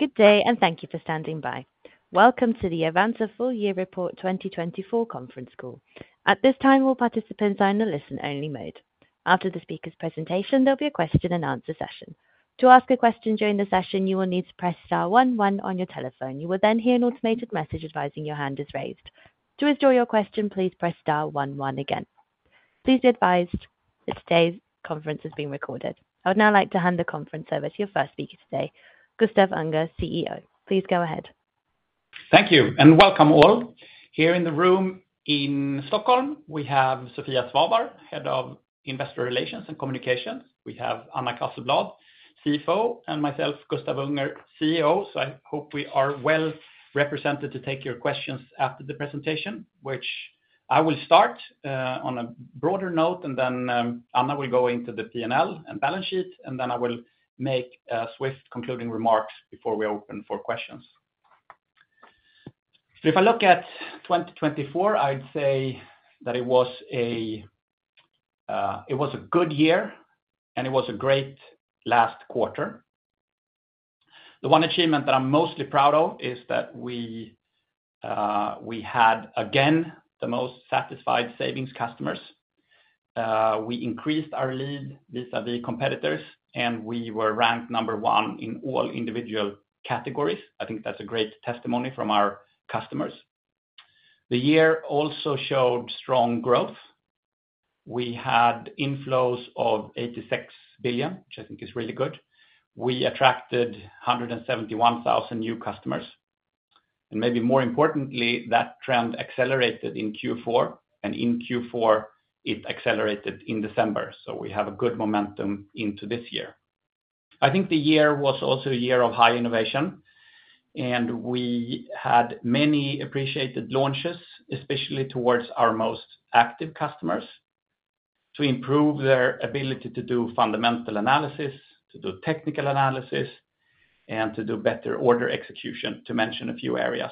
Good day, and thank you for standing by. Welcome to the Avanza Full Year Report 2024 conference call. At this time, all participants are in a listen-only mode. After the speaker's presentation, there'll be a question-and-answer session. To ask a question during the session, you will need to press star 11 on your telephone. You will then hear an automated message advising your hand is raised. To withdraw your question, please press star one one again. Please be advised that today's conference is being recorded. I would now like to hand the conference over to your first speaker today, Gustaf Unger, CEO. Please go ahead. Thank you, and welcome all. Here in the room in Stockholm, we have Sofia Svavar, Head of Investor Relations and Communications. We have Anna Casselblad, CFO, and myself, Gustaf Unger, CEO. So I hope we are well represented to take your questions after the presentation, which I will start on a broader note, and then Anna will go into the P&L and balance sheet, and then I will make a swift concluding remarks before we open for questions. So if I look at 2024, I'd say that it was a good year, and it was a great last quarter. The one achievement that I'm mostly proud of is that we had, again, the most satisfied savings customers. We increased our lead vis-à-vis competitors, and we were ranked number one in all individual categories. I think that's a great testimony from our customers. The year also showed strong growth. We had inflows of 86 billion, which I think is really good. We attracted 171,000 new customers. And maybe more importantly, that trend accelerated in Q4, and in Q4, it accelerated in December. So we have a good momentum into this year. I think the year was also a year of high innovation, and we had many appreciated launches, especially towards our most active customers, to improve their ability to do fundamental analysis, to do technical analysis, and to do better order execution, to mention a few areas.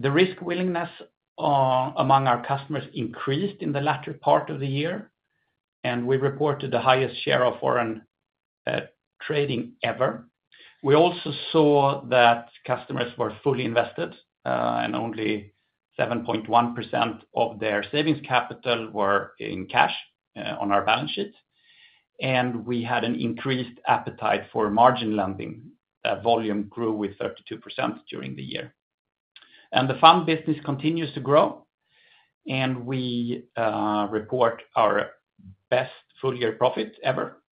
The risk willingness among our customers increased in the latter part of the year, and we reported the highest share of foreign trading ever. We also saw that customers were fully invested, and only 7.1% of their savings capital were in cash on our balance sheets. And we had an increased appetite for margin lending. That volume grew with 32% during the year. And the fund business continues to grow, and we report our best full-year profit ever.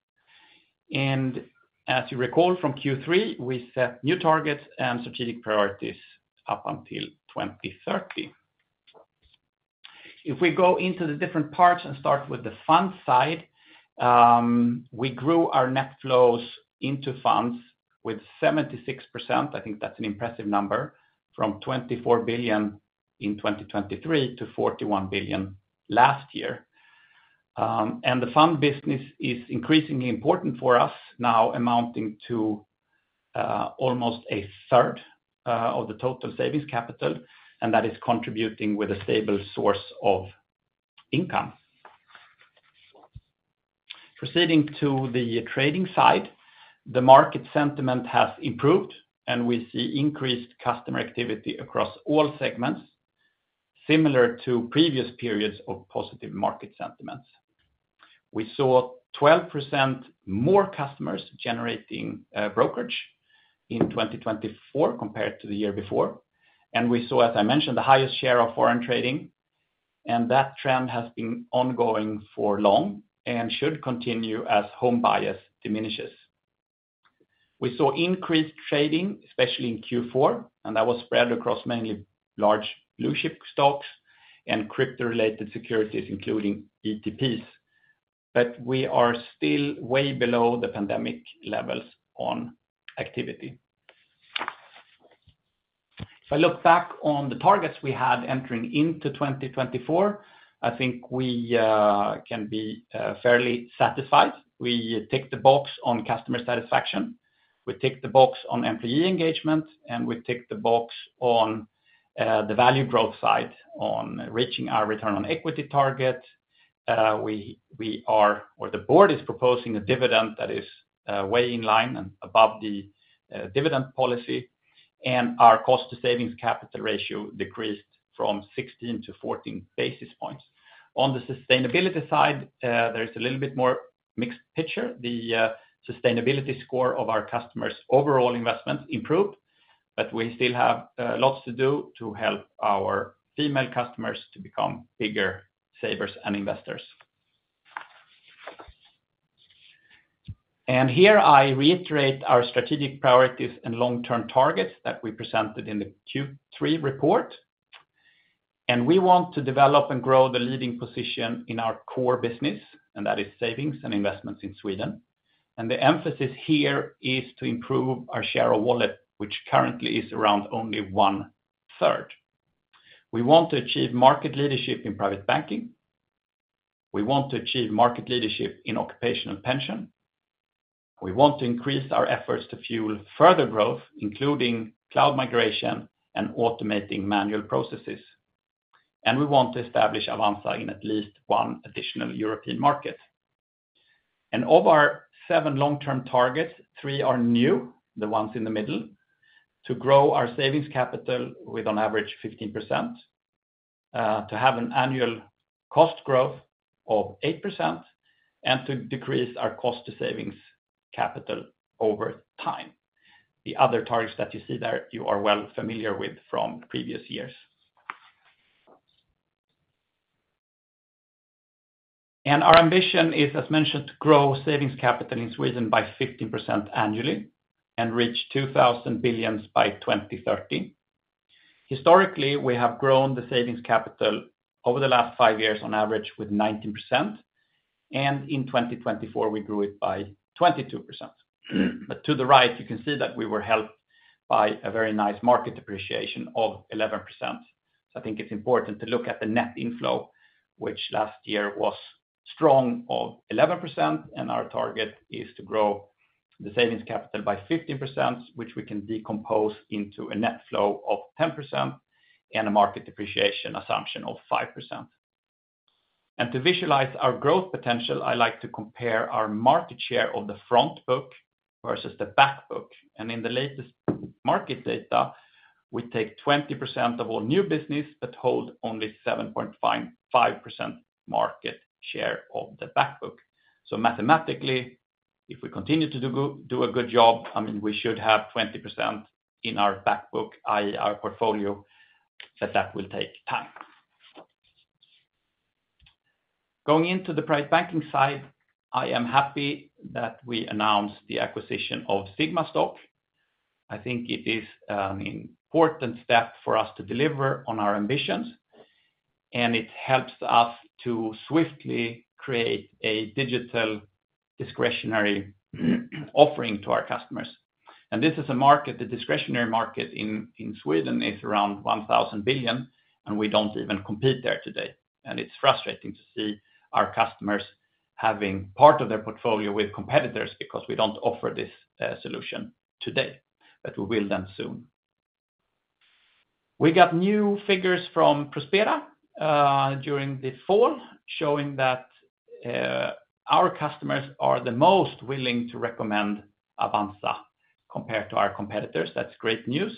And as you recall from Q3, we set new targets and strategic priorities up until 2030. If we go into the different parts and start with the fund side, we grew our net flows into funds with 76%. I think that's an impressive number, from 24 billion in 2023 to 41 billion last year. And the fund business is increasingly important for us now, amounting to almost a third of the total savings capital, and that is contributing with a stable source of income. Proceeding to the trading side, the market sentiment has improved, and we see increased customer activity across all segments, similar to previous periods of positive market sentiments. We saw 12% more customers generating brokerage in 2024 compared to the year before. And we saw, as I mentioned, the highest share of foreign trading. And that trend has been ongoing for long and should continue as home bias diminishes. We saw increased trading, especially in Q4, and that was spread across mainly large blue-chip stocks and crypto-related securities, including ETPs. But we are still way below the pandemic levels on activity. If I look back on the targets we had entering into 2024, I think we can be fairly satisfied. We ticked the box on customer satisfaction. We ticked the box on employee engagement, and we ticked the box on the value growth side, on reaching our return on equity target. The board is proposing a dividend that is way in line and above the dividend policy, and our cost-to-savings capital ratio decreased from 16 to 14 basis points. On the sustainability side, there is a little bit more mixed picture. The sustainability score of our customers' overall investments improved, but we still have lots to do to help our female customers to become bigger savers and investors. And here I reiterate our strategic priorities and long-term targets that we presented in the Q3 report. And we want to develop and grow the leading position in our core business, and that is savings and investments in Sweden. And the emphasis here is to improve our share of wallet, which currently is around only one-third. We want to achieve market leadership in private banking. We want to achieve market leadership in occupational pension. We want to increase our efforts to fuel further growth, including cloud migration and automating manual processes. And we want to establish Avanza in at least one additional European market. Of our seven long-term targets, three are new, the ones in the middle, to grow our savings capital with an average of 15%, to have an annual cost growth of 8%, and to decrease our cost-to-savings capital over time. The other targets that you see there, you are well familiar with from previous years. Our ambition is, as mentioned, to grow savings capital in Sweden by 15% annually and reach 2,000 billion by 2030. Historically, we have grown the savings capital over the last five years on average with 19%, and in 2024, we grew it by 22%. To the right, you can see that we were helped by a very nice market appreciation of 11%. I think it's important to look at the net inflow, which last year was strong of 11%, and our target is to grow the savings capital by 15%, which we can decompose into a net flow of 10% and a market appreciation assumption of 5%, and to visualize our growth potential, I like to compare our market share of the front book versus the back book, and in the latest market data, we take 20% of all new business but hold only 7.5% market share of the back book, so mathematically, if we continue to do a good job, I mean, we should have 20% in our back book, i.e., our portfolio, but that will take time. Going into the private banking side, I am happy that we announced the acquisition of Sigma Stocks. I think it is an important step for us to deliver on our ambitions, and it helps us to swiftly create a digital discretionary offering to our customers. And this is a market, the discretionary market in Sweden is around 1,000 billion, and we don't even compete there today. And it's frustrating to see our customers having part of their portfolio with competitors because we don't offer this solution today, but we will then soon. We got new figures from Prospera during the fall showing that our customers are the most willing to recommend Avanza compared to our competitors. That's great news.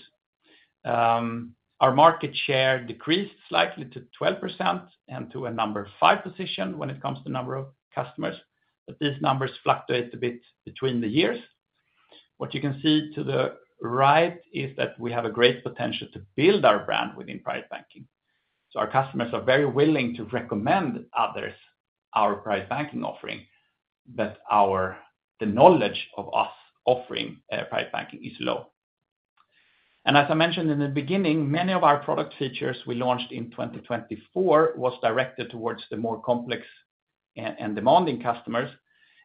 Our market share decreased slightly to 12% and to a number five position when it comes to number of customers, but these numbers fluctuate a bit between the years. What you can see to the right is that we have a great potential to build our brand within Private Banking, so our customers are very willing to recommend others our Private Banking offering, but the knowledge of us offering Private Banking is low, and as I mentioned in the beginning, many of our product features we launched in 2024 were directed towards the more complex and demanding customers,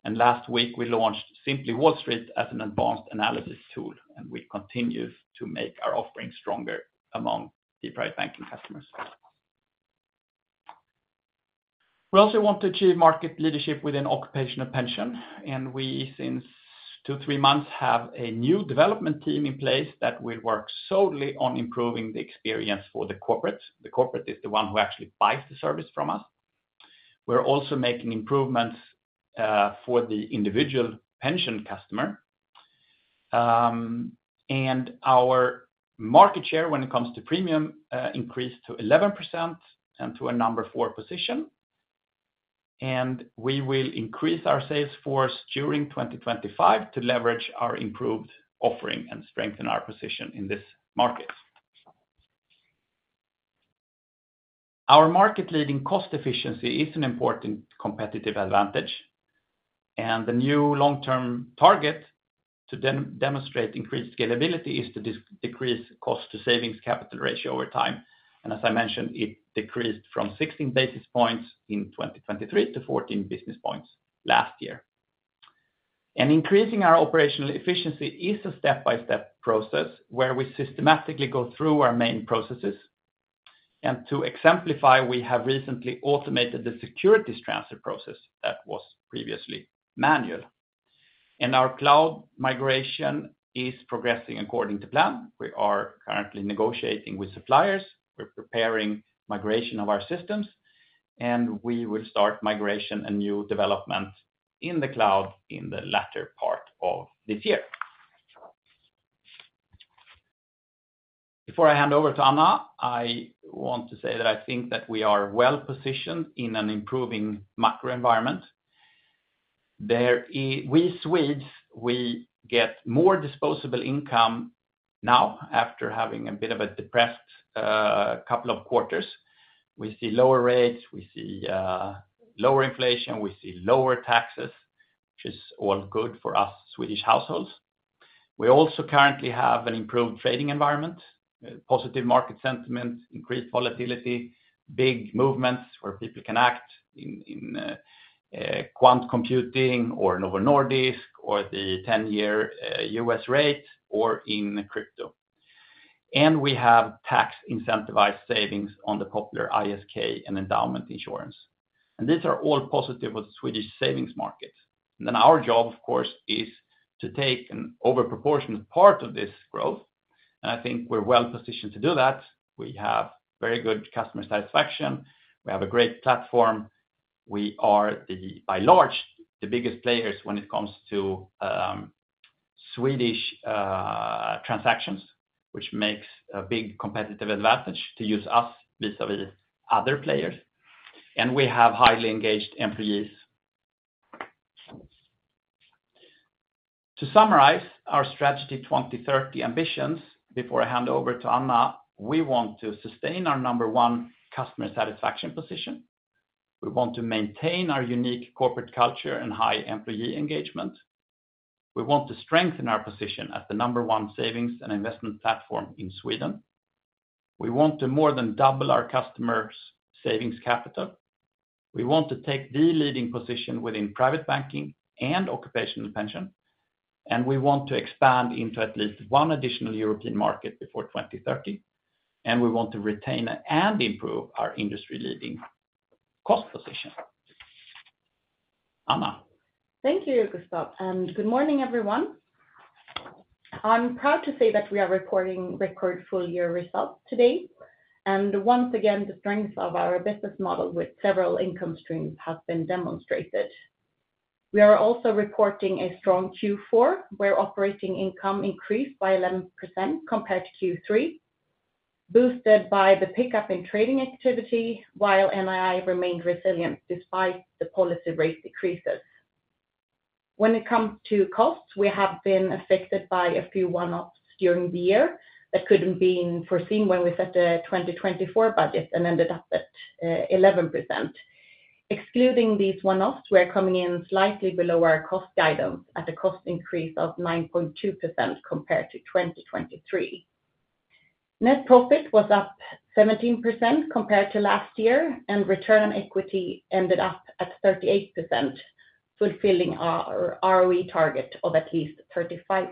and last week, we launched Simply Wall St as an advanced analysis tool, and we continue to make our offering stronger among the Private Banking customers. We also want to achieve market leadership within occupational pension, and we, since two, three months, have a new development team in place that will work solely on improving the experience for the corporate. The corporate is the one who actually buys the service from us. We're also making improvements for the individual pension customer. Our market share when it comes to premium increased to 11% and to a number four position. We will increase our sales force during 2025 to leverage our improved offering and strengthen our position in this market. Our market-leading cost efficiency is an important competitive advantage, and the new long-term target to demonstrate increased scalability is to decrease cost-to-savings capital ratio over time. As I mentioned, it decreased from 16 basis points in 2023 to 14 basis points last year. Increasing our operational efficiency is a step-by-step process where we systematically go through our main processes. To exemplify, we have recently automated the securities transfer process that was previously manual. Our cloud migration is progressing according to plan. We are currently negotiating with suppliers. We're preparing migration of our systems, and we will start migration and new development in the cloud in the latter part of this year. Before I hand over to Anna, I want to say that I think that we are well positioned in an improving macro environment. We Swedes, we get more disposable income now after having a bit of a depressed couple of quarters. We see lower rates, we see lower inflation, we see lower taxes, which is all good for us Swedish households. We also currently have an improved trading environment, positive market sentiment, increased volatility, big movements where people can act in quantum computing or Novo Nordisk or the 10-year U.S. rate or in crypto. And we have tax-incentivized savings on the popular ISK and endowment insurance. And these are all positive for the Swedish savings market. And then our job, of course, is to take a disproportionate part of this growth. And I think we're well positioned to do that. We have very good customer satisfaction. We have a great platform. We are, by and large, the biggest players when it comes to Swedish transactions, which makes a big competitive advantage to use us vis-à-vis other players. And we have highly engaged employees. To summarize our Strategy 2030 ambitions before I hand over to Anna, we want to sustain our number one customer satisfaction position. We want to maintain our unique corporate culture and high employee engagement. We want to strengthen our position as the number one savings and investment platform in Sweden. We want to more than double our customer's savings capital. We want to take the leading position within private banking and occupational pension. We want to expand into at least one additional European market before 2030. We want to retain and improve our industry-leading cost position. Anna? Thank you, Gustaf. Good morning, everyone. I'm proud to say that we are reporting record full-year results today. Once again, the strength of our business model with several income streams has been demonstrated. We are also reporting a strong Q4, where operating income increased by 11% compared to Q3, boosted by the pickup in trading activity, while NII remained resilient despite the policy rate decreases. When it comes to costs, we have been affected by a few one-offs during the year that couldn't have been foreseen when we set the 2024 budget and ended up at 11%. Excluding these one-offs, we are coming in slightly below our cost guidance at a cost increase of 9.2% compared to 2023. Net profit was up 17% compared to last year, and return on equity ended up at 38%, fulfilling our ROE target of at least 35%.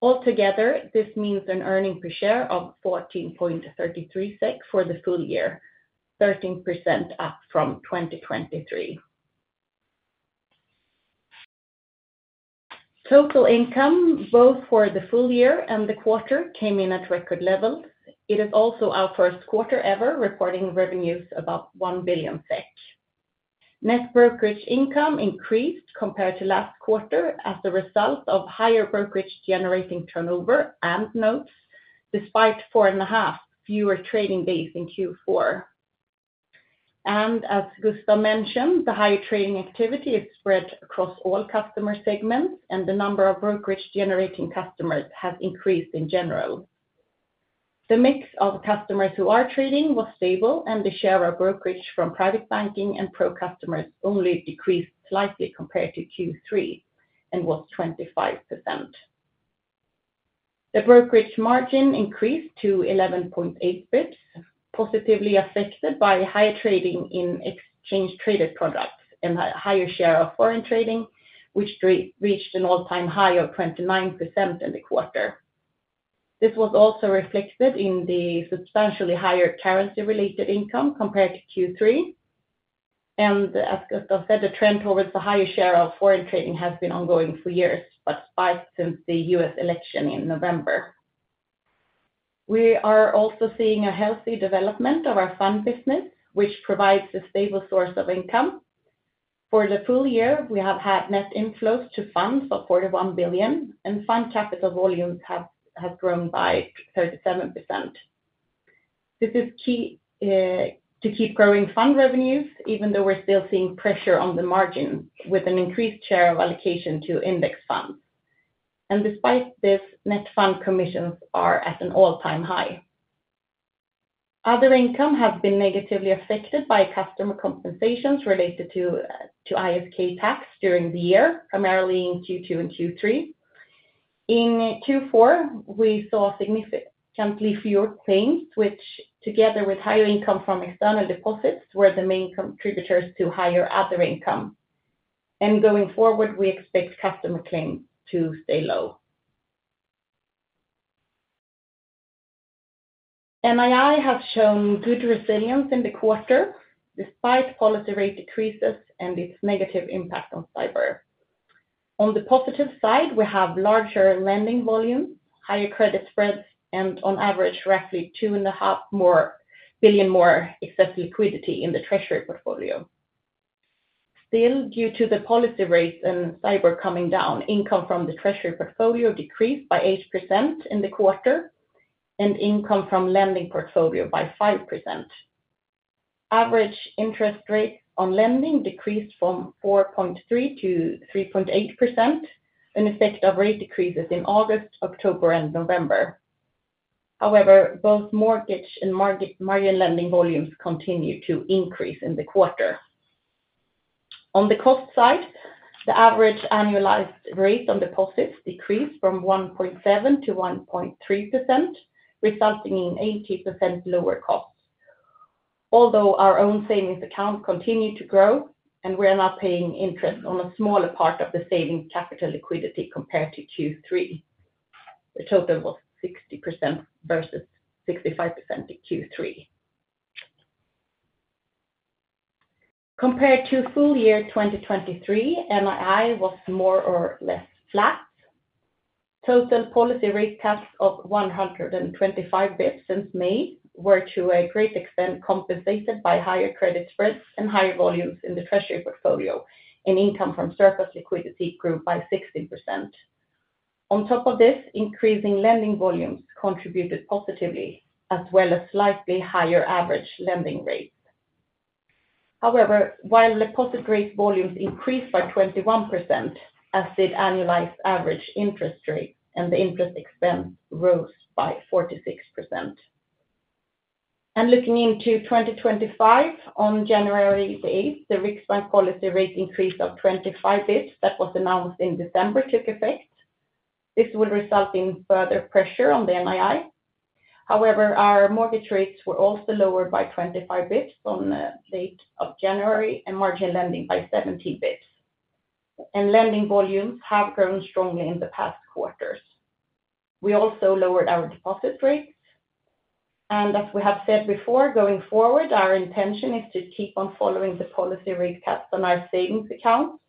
Altogether, this means an earnings per share of 14.33 for the full year, 13% up from 2023. Total income, both for the full year and the quarter, came in at record levels. It is also our first quarter ever reporting revenues about 1 billion SEK. Net brokerage income increased compared to last quarter as a result of higher brokerage-generating turnover and net, despite four and a half fewer trading days in Q4. As Gustaf mentioned, the higher trading activity is spread across all customer segments, and the number of brokerage-generating customers has increased in general. The mix of customers who are trading was stable, and the share of brokerage from Private Banking and Pro customers only decreased slightly compared to Q3 and was 25%. The brokerage margin increased to 11.8 basis points, positively affected by higher trading in exchange-traded products and a higher share of foreign trading, which reached an all-time high of 29% in the quarter. This was also reflected in the substantially higher currency-related income compared to Q3. And as Gustaf said, the trend towards the higher share of foreign trading has been ongoing for years, but spiked since the U.S. election in November. We are also seeing a healthy development of our fund business, which provides a stable source of income. For the full year, we have had net inflows to funds of 41 billion, and fund capital volumes have grown by 37%. This is key to keep growing fund revenues, even though we're still seeing pressure on the margin with an increased share of allocation to index funds. Despite this, net fund commissions are at an all-time high. Other income has been negatively affected by customer compensations related to ISK tax during the year, primarily in Q2 and Q3. In Q4, we saw significantly fewer claims, which, together with higher income from external deposits, were the main contributors to higher other income. Going forward, we expect customer claims to stay low. NII has shown good resilience in the quarter, despite policy rate decreases and its negative impact on STIBOR. On the positive side, we have larger lending volumes, higher credit spreads, and on average, roughly two and a half billion more excess liquidity in the treasury portfolio. Still, due to the policy rates and STIBOR coming down, income from the treasury portfolio decreased by 8% in the quarter and income from lending portfolio by 5%. Average interest rates on lending decreased from 4.3% to 3.8% in effect of rate decreases in August, October, and November. However, both mortgage and margin lending volumes continue to increase in the quarter. On the cost side, the average annualized rate on deposits decreased from 1.7% to 1.3%, resulting in 80% lower costs. Although our own savings account continued to grow, and we are now paying interest on a smaller part of the savings capital liquidity compared to Q3. The total was 60% versus 65% in Q3. Compared to full year 2023, NII was more or less flat. Total policy rate cuts of 125 basis points since May were to a great extent compensated by higher credit spreads and higher volumes in the treasury portfolio, and income from surplus liquidity grew by 16%. On top of this, increasing lending volumes contributed positively, as well as slightly higher average lending rates. However, while deposit rate volumes increased by 21%, as did annualized average interest rates, and the interest expense rose by 46%. Looking into 2025, on January the 8th, the Riksbank policy rate increase of 25 basis points that was announced in December took effect. This would result in further pressure on the NII. However, our mortgage rates were also lowered by 25 basis points on the 8th of January and margin lending by 17 basis points. Lending volumes have grown strongly in the past quarters. We also lowered our deposit rates. And as we have said before, going forward, our intention is to keep on following the policy rate cuts on our savings accounts.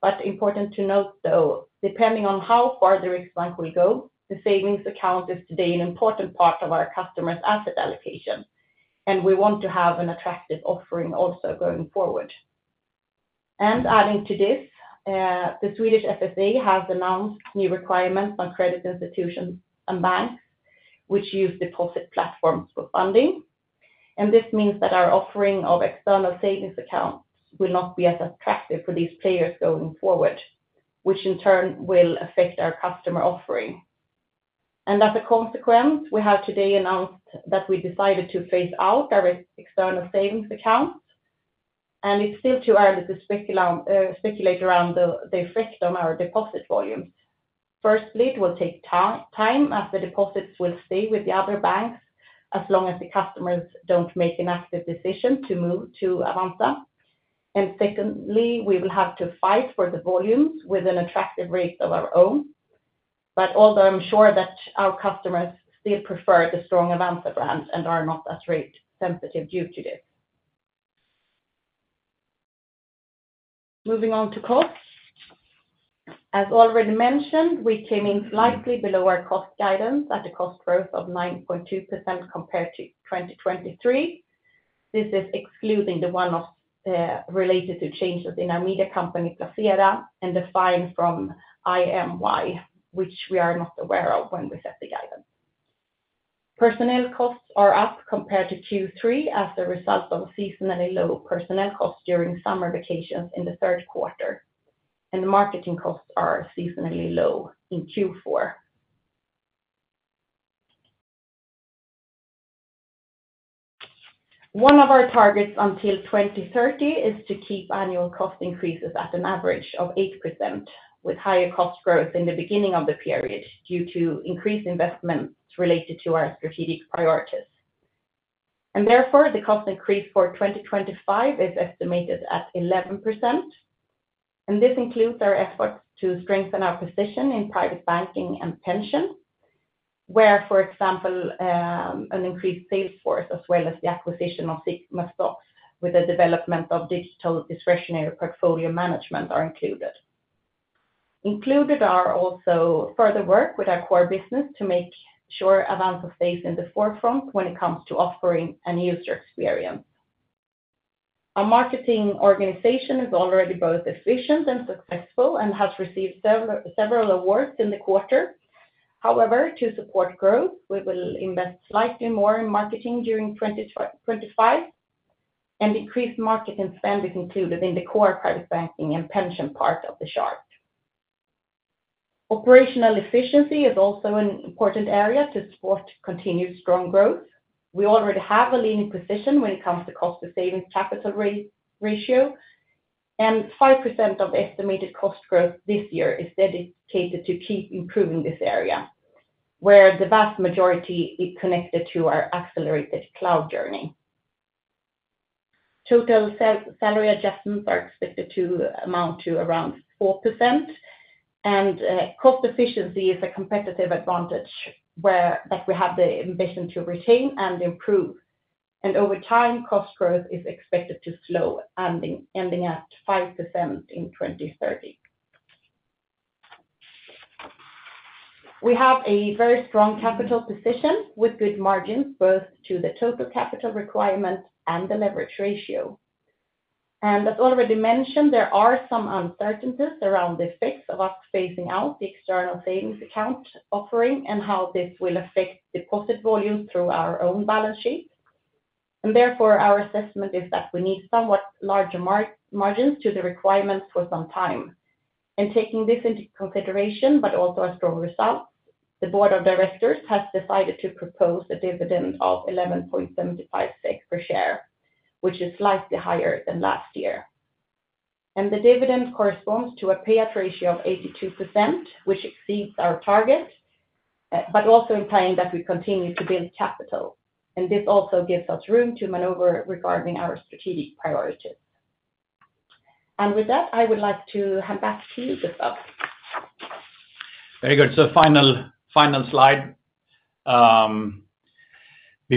But important to note, though, depending on how far the Riksbank will go, the savings account is today an important part of our customers' asset allocation, and we want to have an attractive offering also going forward. And adding to this, the Swedish FSA has announced new requirements on credit institutions and banks, which use deposit platforms for funding. And this means that our offering of external savings accounts will not be as attractive for these players going forward, which in turn will affect our customer offering. And as a consequence, we have today announced that we decided to phase out our external savings accounts. And it's still too early to speculate around the effect on our deposit volumes. Firstly, it will take time as the deposits will stay with the other banks as long as the customers don't make an active decision to move to Avanza. And secondly, we will have to fight for the volumes with an attractive rate of our own. But although I'm sure that our customers still prefer the strong Avanza brand and are not as rate sensitive due to this. Moving on to costs. As already mentioned, we came in slightly below our cost guidance at a cost growth of 9.2% compared to 2023. This is excluding the one-offs related to changes in our media company Placera and the fine from IMY, which we are not aware of when we set the guidance. Personnel costs are up compared to Q3 as a result of seasonally low personnel costs during summer vacations in the third quarter. The marketing costs are seasonally low in Q4. One of our targets until 2030 is to keep annual cost increases at an average of eight%, with higher cost growth in the beginning of the period due to increased investments related to our strategic priorities. Therefore, the cost increase for 2025 is estimated at 11%. This includes our efforts to strengthen our position in Private Banking and pension, where, for example, an increased sales force as well as the acquisition of Sigma Stocks with the development of digital discretionary portfolio management are included. Included are also further work with our core business to make sure Avanza stays in the forefront when it comes to offering a user experience. Our marketing organization is already both efficient and successful and has received several awards in the quarter. However, to support growth, we will invest slightly more in marketing during 2025. Increased marketing spend is included in the core Private Banking and pension part of the chart. Operational efficiency is also an important area to support continued strong growth. We already have a leading position when it comes to cost-to-savings capital ratio. And 5% of estimated cost growth this year is dedicated to keep improving this area, where the vast majority is connected to our accelerated cloud journey. Total salary adjustments are expected to amount to around 4%. And cost efficiency is a competitive advantage that we have the ambition to retain and improve. And over time, cost growth is expected to slow, ending at 5% in 2030. We have a very strong capital position with good margins both to the total capital requirement and the leverage ratio. As already mentioned, there are some uncertainties around the effects of us phasing out the external savings account offering and how this will affect deposit volume through our own balance sheet. Therefore, our assessment is that we need somewhat larger margins to the requirements for some time. Taking this into consideration, but also our strong results, the board of directors has decided to propose a dividend of 11.75 per share, which is slightly higher than last year. The dividend corresponds to a payout ratio of 82%, which exceeds our target, but also implying that we continue to build capital. This also gives us room to maneuver regarding our strategic priorities. With that, I would like to hand back to you, Gustaf? Very good. Final slide.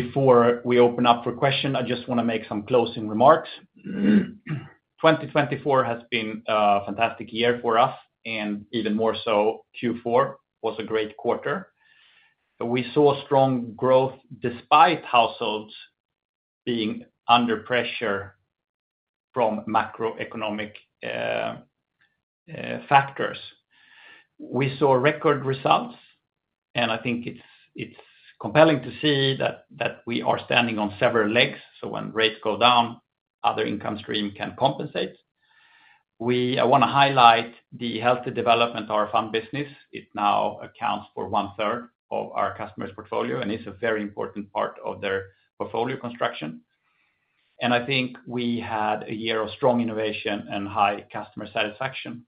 Before we open up for questions, I just want to make some closing remarks. 2024 has been a fantastic year for us, and even more so, Q4 was a great quarter. We saw strong growth despite households being under pressure from macroeconomic factors. We saw record results, and I think it's compelling to see that we are standing on several legs. So when rates go down, other income streams can compensate. I want to highlight the healthy development of our fund business. It now accounts for one-third of our customers' portfolio and is a very important part of their portfolio construction. And I think we had a year of strong innovation and high customer satisfaction.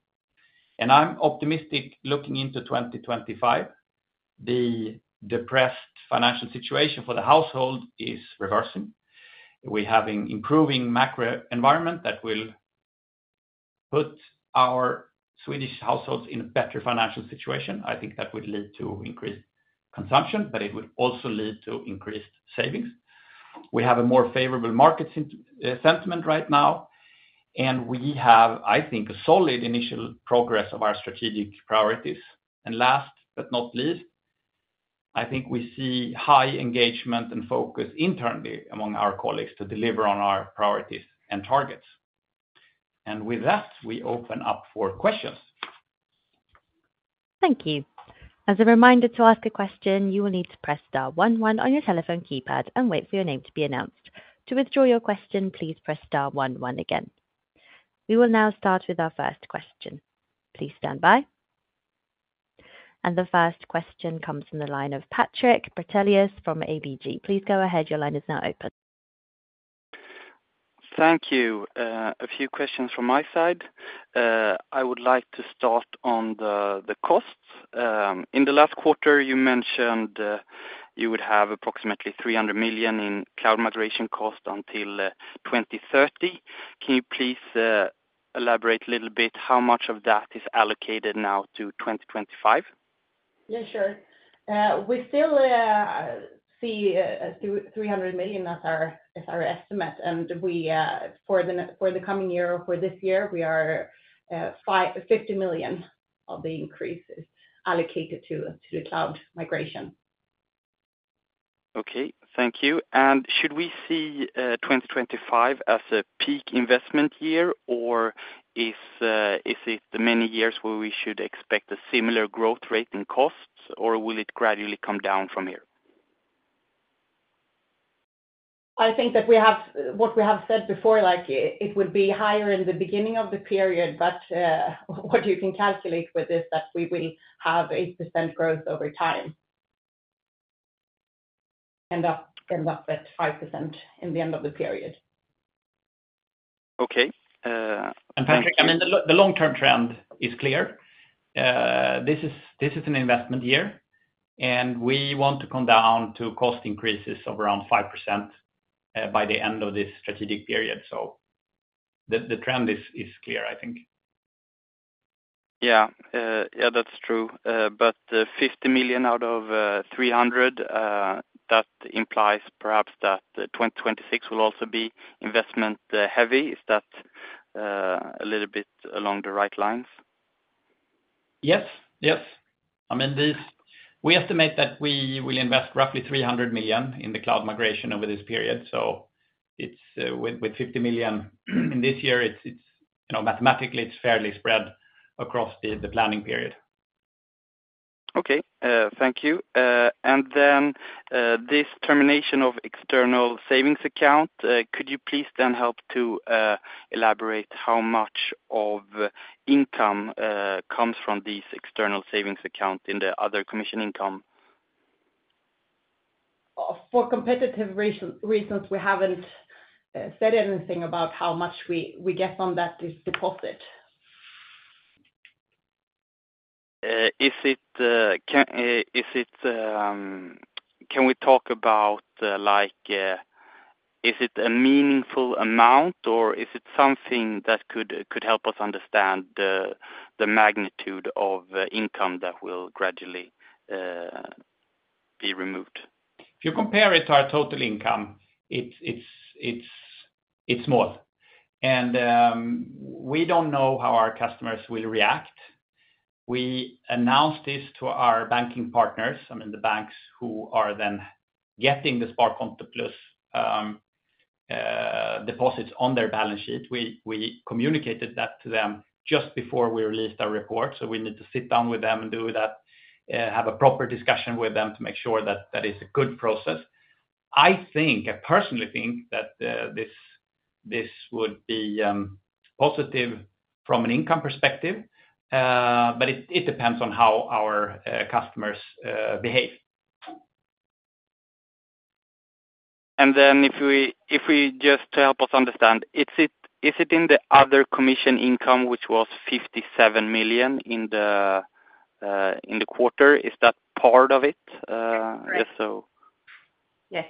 And I'm optimistic looking into 2025. The depressed financial situation for the household is reversing. We have an improving macro environment that will put our Swedish households in a better financial situation. I think that would lead to increased consumption, but it would also lead to increased savings. We have a more favorable market sentiment right now, and we have, I think, a solid initial progress of our strategic priorities. And last but not least, I think we see high engagement and focus internally among our colleagues to deliver on our priorities and targets. And with that, we open up for questions. Thank you. As a reminder to ask a question, you will need to press star 11 on your telephone keypad and wait for your name to be announced. To withdraw your question, please press star 11 again. We will now start with our first question. Please stand by. And the first question comes from the line of Patrik Brattelius from ABG. Please go ahead. Your line is now open. Thank you. A few questions from my side. I would like to start on the costs. In the last quarter, you mentioned you would have approximately 300 million in cloud migration costs until 2030. Can you please elaborate a little bit how much of that is allocated now to 2025? Yeah, sure. We still see 300 million as our estimate, and for the coming year or for this year, we are 50 million of the increase allocated to the cloud migration. Okay, thank you. And should we see 2025 as a peak investment year, or is it the many years where we should expect a similar growth rate in costs, or will it gradually come down from here? I think that what we have said before, it would be higher in the beginning of the period, but what you can calculate with is that we will have 8% growth over time and end up at 5% in the end of the period. Okay. Patrick, I mean, the long-term trend is clear. This is an investment year, and we want to come down to cost increases of around 5% by the end of this strategic period. So the trend is clear, I think. Yeah, yeah, that's true. But 50 million out of 300 million, that implies perhaps that 2026 will also be investment-heavy. Is that a little bit along the right lines? Yes, yes. I mean, we estimate that we will invest roughly 300 million in the cloud migration over this period. So with 50 million in this year, mathematically, it's fairly spread across the planning period. Okay, thank you. And then this termination of external savings account, could you please then help to elaborate how much of income comes from these external savings accounts in the other commission income? For competitive reasons, we haven't said anything about how much we get from that deposit. Can we talk about, is it a meaningful amount, or is it something that could help us understand the magnitude of income that will gradually be removed? If you compare it to our total income, it's small. And we don't know how our customers will react. We announced this to our banking partners, I mean, the banks who are then getting the Sparkonto+ deposits on their balance sheet. We communicated that to them just before we released our report. So we need to sit down with them and do that, have a proper discussion with them to make sure that that is a good process. I personally think that this would be positive from an income perspective, but it depends on how our customers behave. And then if we just help us understand, is it in the other commission income, which was 57 million in the quarter? Is that part of it? Yes. Yes.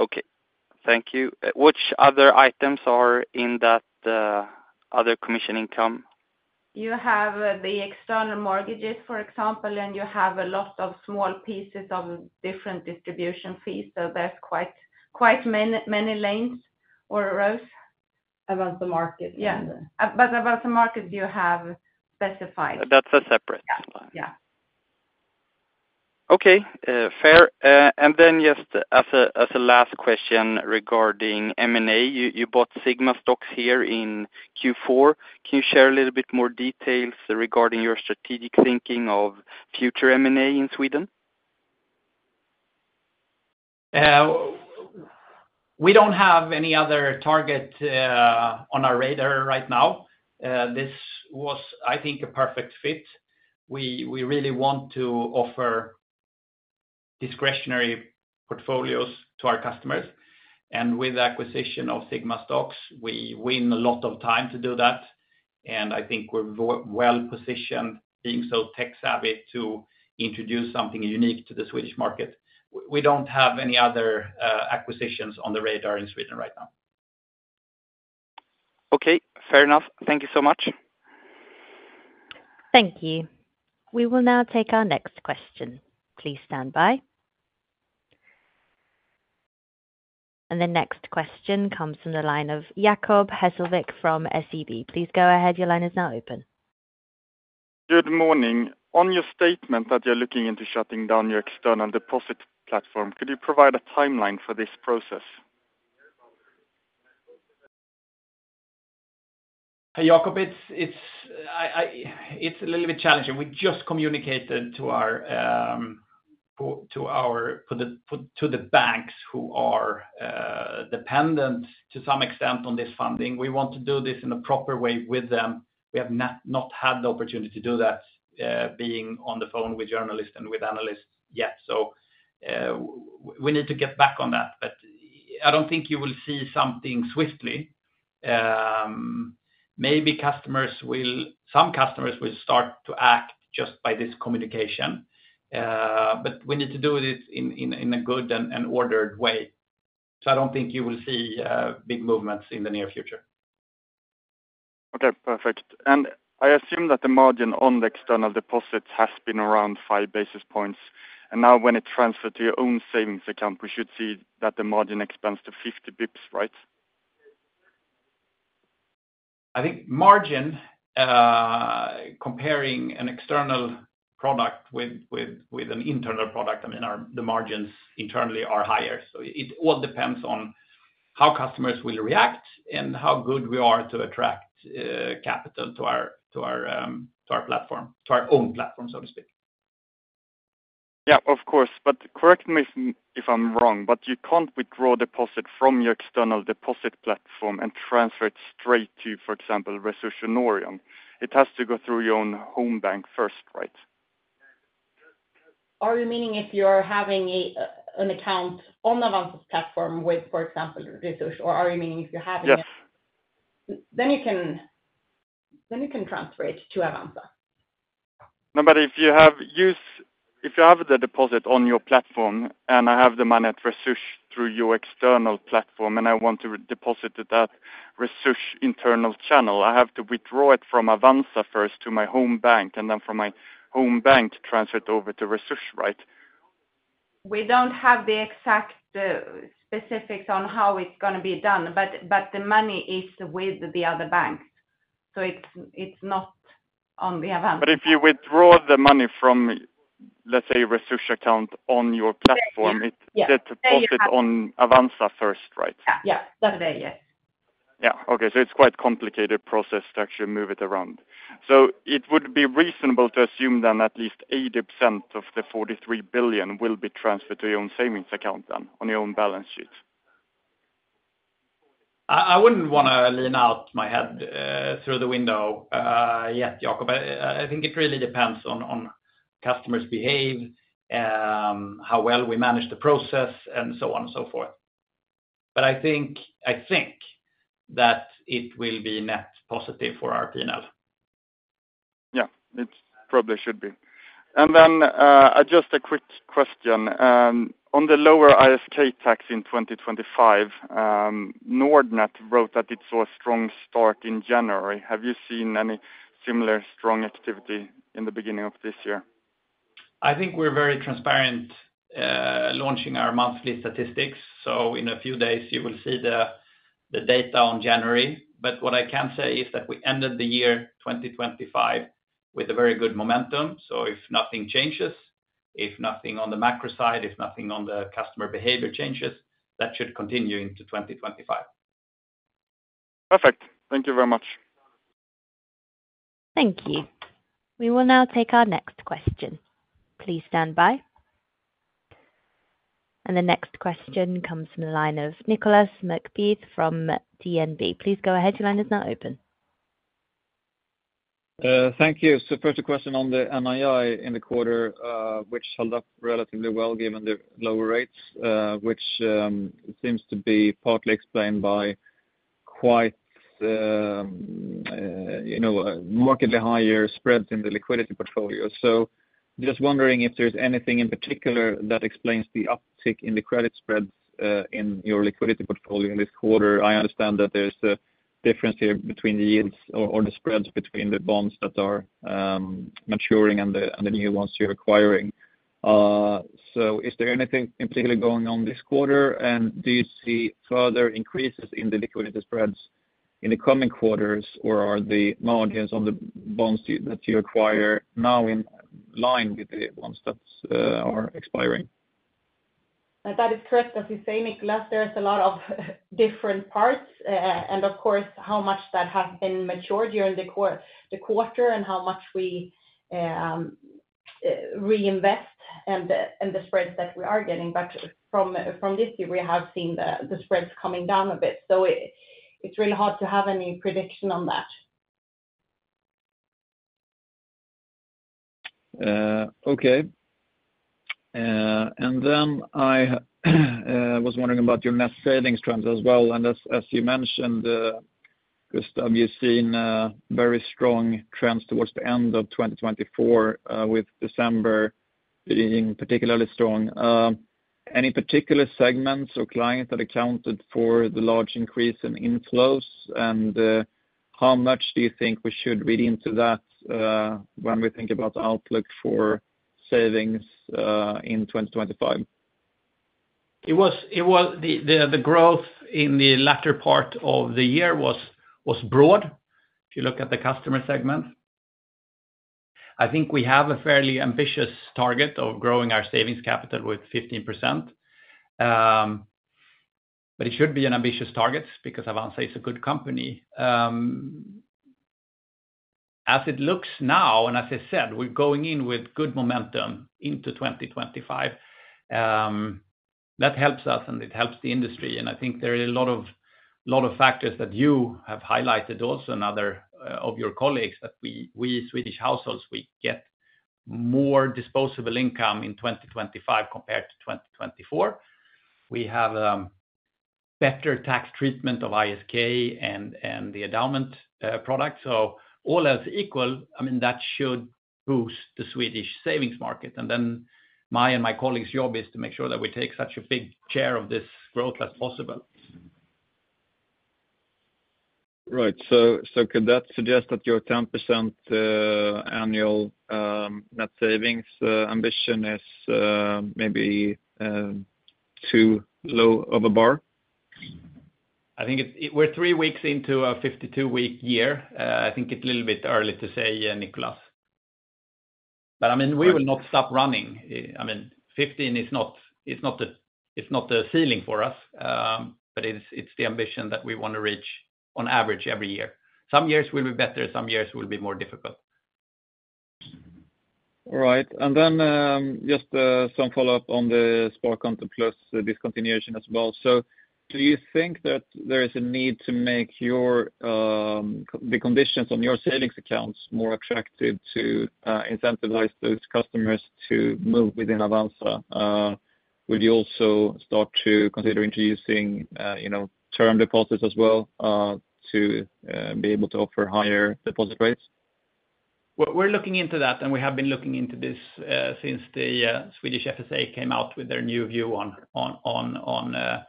Okay. Thank you. Which other items are in that other commission income? You have the external mortgages, for example, and you have a lot of small pieces of different distribution fees. So there's quite many lanes or rows. About the market. Yeah. But about the market, you have specified. That's a separate line? Yeah. Okay. Fair. And then just as a last question regarding M&A, you bought Sigma Stocks here in Q4. Can you share a little bit more details regarding your strategic thinking of future M&A in Sweden? We don't have any other target on our radar right now. This was, I think, a perfect fit. We really want to offer discretionary portfolios to our customers. And with the acquisition of Sigma Stocks, we win a lot of time to do that. And I think we're well positioned, being so tech-savvy, to introduce something unique to the Swedish market. We don't have any other acquisitions on the radar in Sweden right now. Okay. Fair enough. Thank you so much. Thank you. We will now take our next question. Please stand by. And the next question comes from the line of Jacob Hesslevik from SEB. Please go ahead. Your line is now open. Good morning. On your statement that you're looking into shutting down your external deposit platform, could you provide a timeline for this process? Hey, Jacob, it's a little bit challenging. We just communicated to our banks who are dependent to some extent on this funding. We want to do this in a proper way with them. We have not had the opportunity to do that, being on the phone with journalists and with analysts yet. So we need to get back on that. But I don't think you will see something swiftly. Maybe some customers will start to act just by this communication, but we need to do it in a good and ordered way. So I don't think you will see big movements in the near future. Okay. Perfect. And I assume that the margin on the external deposits has been around five basis points. And now when it transfers to your own savings account, we should see that the margin expands to 50 basis points, right? I think margin, comparing an external product with an internal product, I mean, the margins internally are higher. So it all depends on how customers will react and how good we are to attract capital to our platform, to our own platform, so to speak. Yeah, of course. But correct me if I'm wrong, but you can't withdraw a deposit from your external deposit platform and transfer it straight to, for example, Resurs or Norion. It has to go through your own home bank first, right? Are you meaning if you're having an account on the Avanza's platform with, for example, Resurs, or are you meaning if you're having it? Yes. Then you can transfer it to Avanza. No, but if you have the deposit on your platform and I have the money at Resurs through your external platform and I want to deposit it at Resurs' internal channel, I have to withdraw it from Avanza first to my home bank and then from my home bank transfer it over to Resurs, right? We don't have the exact specifics on how it's going to be done, but the money is with the other bank. So it's not on the Avanza. But if you withdraw the money from, let's say, Resurs account on your platform, it's deposited on Avanza first, right? Yeah. That way, yes. Yeah. Okay. So it's quite a complicated process to actually move it around. So it would be reasonable to assume then at least 80% of the 43 billion will be transferred to your own savings account then on your own balance sheet. I wouldn't want to stick my neck out yet, Jacob. I think it really depends on how customers behave, how well we manage the process, and so on and so forth, but I think that it will be net positive for our P&L. Yeah. It probably should be. Then just a quick question on the lower ISK tax in 2025. Nordnet wrote that it saw a strong start in January. Have you seen any similar strong activity in the beginning of this year? I think we're very transparent launching our monthly statistics. In a few days, you will see the data on January, but what I can say is that we ended the year 2024 with a very good momentum. If nothing changes, if nothing on the macro side, if nothing on the customer behavior changes, that should continue into 2025. Perfect. Thank you very much. Thank you. We will now take our next question. Please stand by, and the next question comes from the line of Nicolas McBeath from DNB. Please go ahead. Your line is now open. Thank you. First, a question on the NII in the quarter, which held up relatively well given the lower rates, which seems to be partly explained by quite markedly higher spreads in the liquidity portfolio. Just wondering if there's anything in particular that explains the uptick in the credit spreads in your liquidity portfolio this quarter. I understand that there's a difference here between the yields or the spreads between the bonds that are maturing and the new ones you're acquiring. Is there anything particularly going on this quarter? Do you see further increases in the liquidity spreads in the coming quarters, or are the margins on the bonds that you acquire now in line with the ones that are expiring? That is correct, as you say, Nicolas. There's a lot of different parts. And of course, how much that has been matured during the quarter and how much we reinvest and the spreads that we are getting. But from this year, we have seen the spreads coming down a bit. So it's really hard to have any prediction on that. Okay. And then I was wondering about your net savings trends as well. And as you mentioned, Gustaf, you've seen very strong trends towards the end of 2024, with December being particularly strong. Any particular segments or clients that accounted for the large increase in inflows? How much do you think we should read into that when we think about the outlook for savings in 2025? The growth in the latter part of the year was broad. If you look at the customer segment, I think we have a fairly ambitious target of growing our savings capital with 15%. But it should be an ambitious target because Avanza is a good company. As it looks now, and as I said, we're going in with good momentum into 2025. That helps us, and it helps the industry. I think there are a lot of factors that you have highlighted also, and other of your colleagues, that we, Swedish households, we get more disposable income in 2025 compared to 2024. We have better tax treatment of ISK and the endowment product. So all else equal, I mean, that should boost the Swedish savings market. Then me and my colleagues' job is to make sure that we take such a big share of this growth as possible. Right. Could that suggest that your 10% annual net savings ambition is maybe too low of a bar? I think we're three weeks into a 52-week year. I think it's a little bit early to say, Nicolas. But I mean, we will not stop running. I mean, 15 is not the ceiling for us, but it's the ambition that we want to reach on average every year. Some years will be better. Some years will be more difficult. Right. Then just some follow-up on the Sparkonto+ discontinuation as well. Do you think that there is a need to make the conditions on your savings accounts more attractive to incentivize those customers to move within Avanza? Would you also start to consider introducing term deposits as well to be able to offer higher deposit rates? We're looking into that, and we have been looking into this since the Swedish FSA came out with their new view on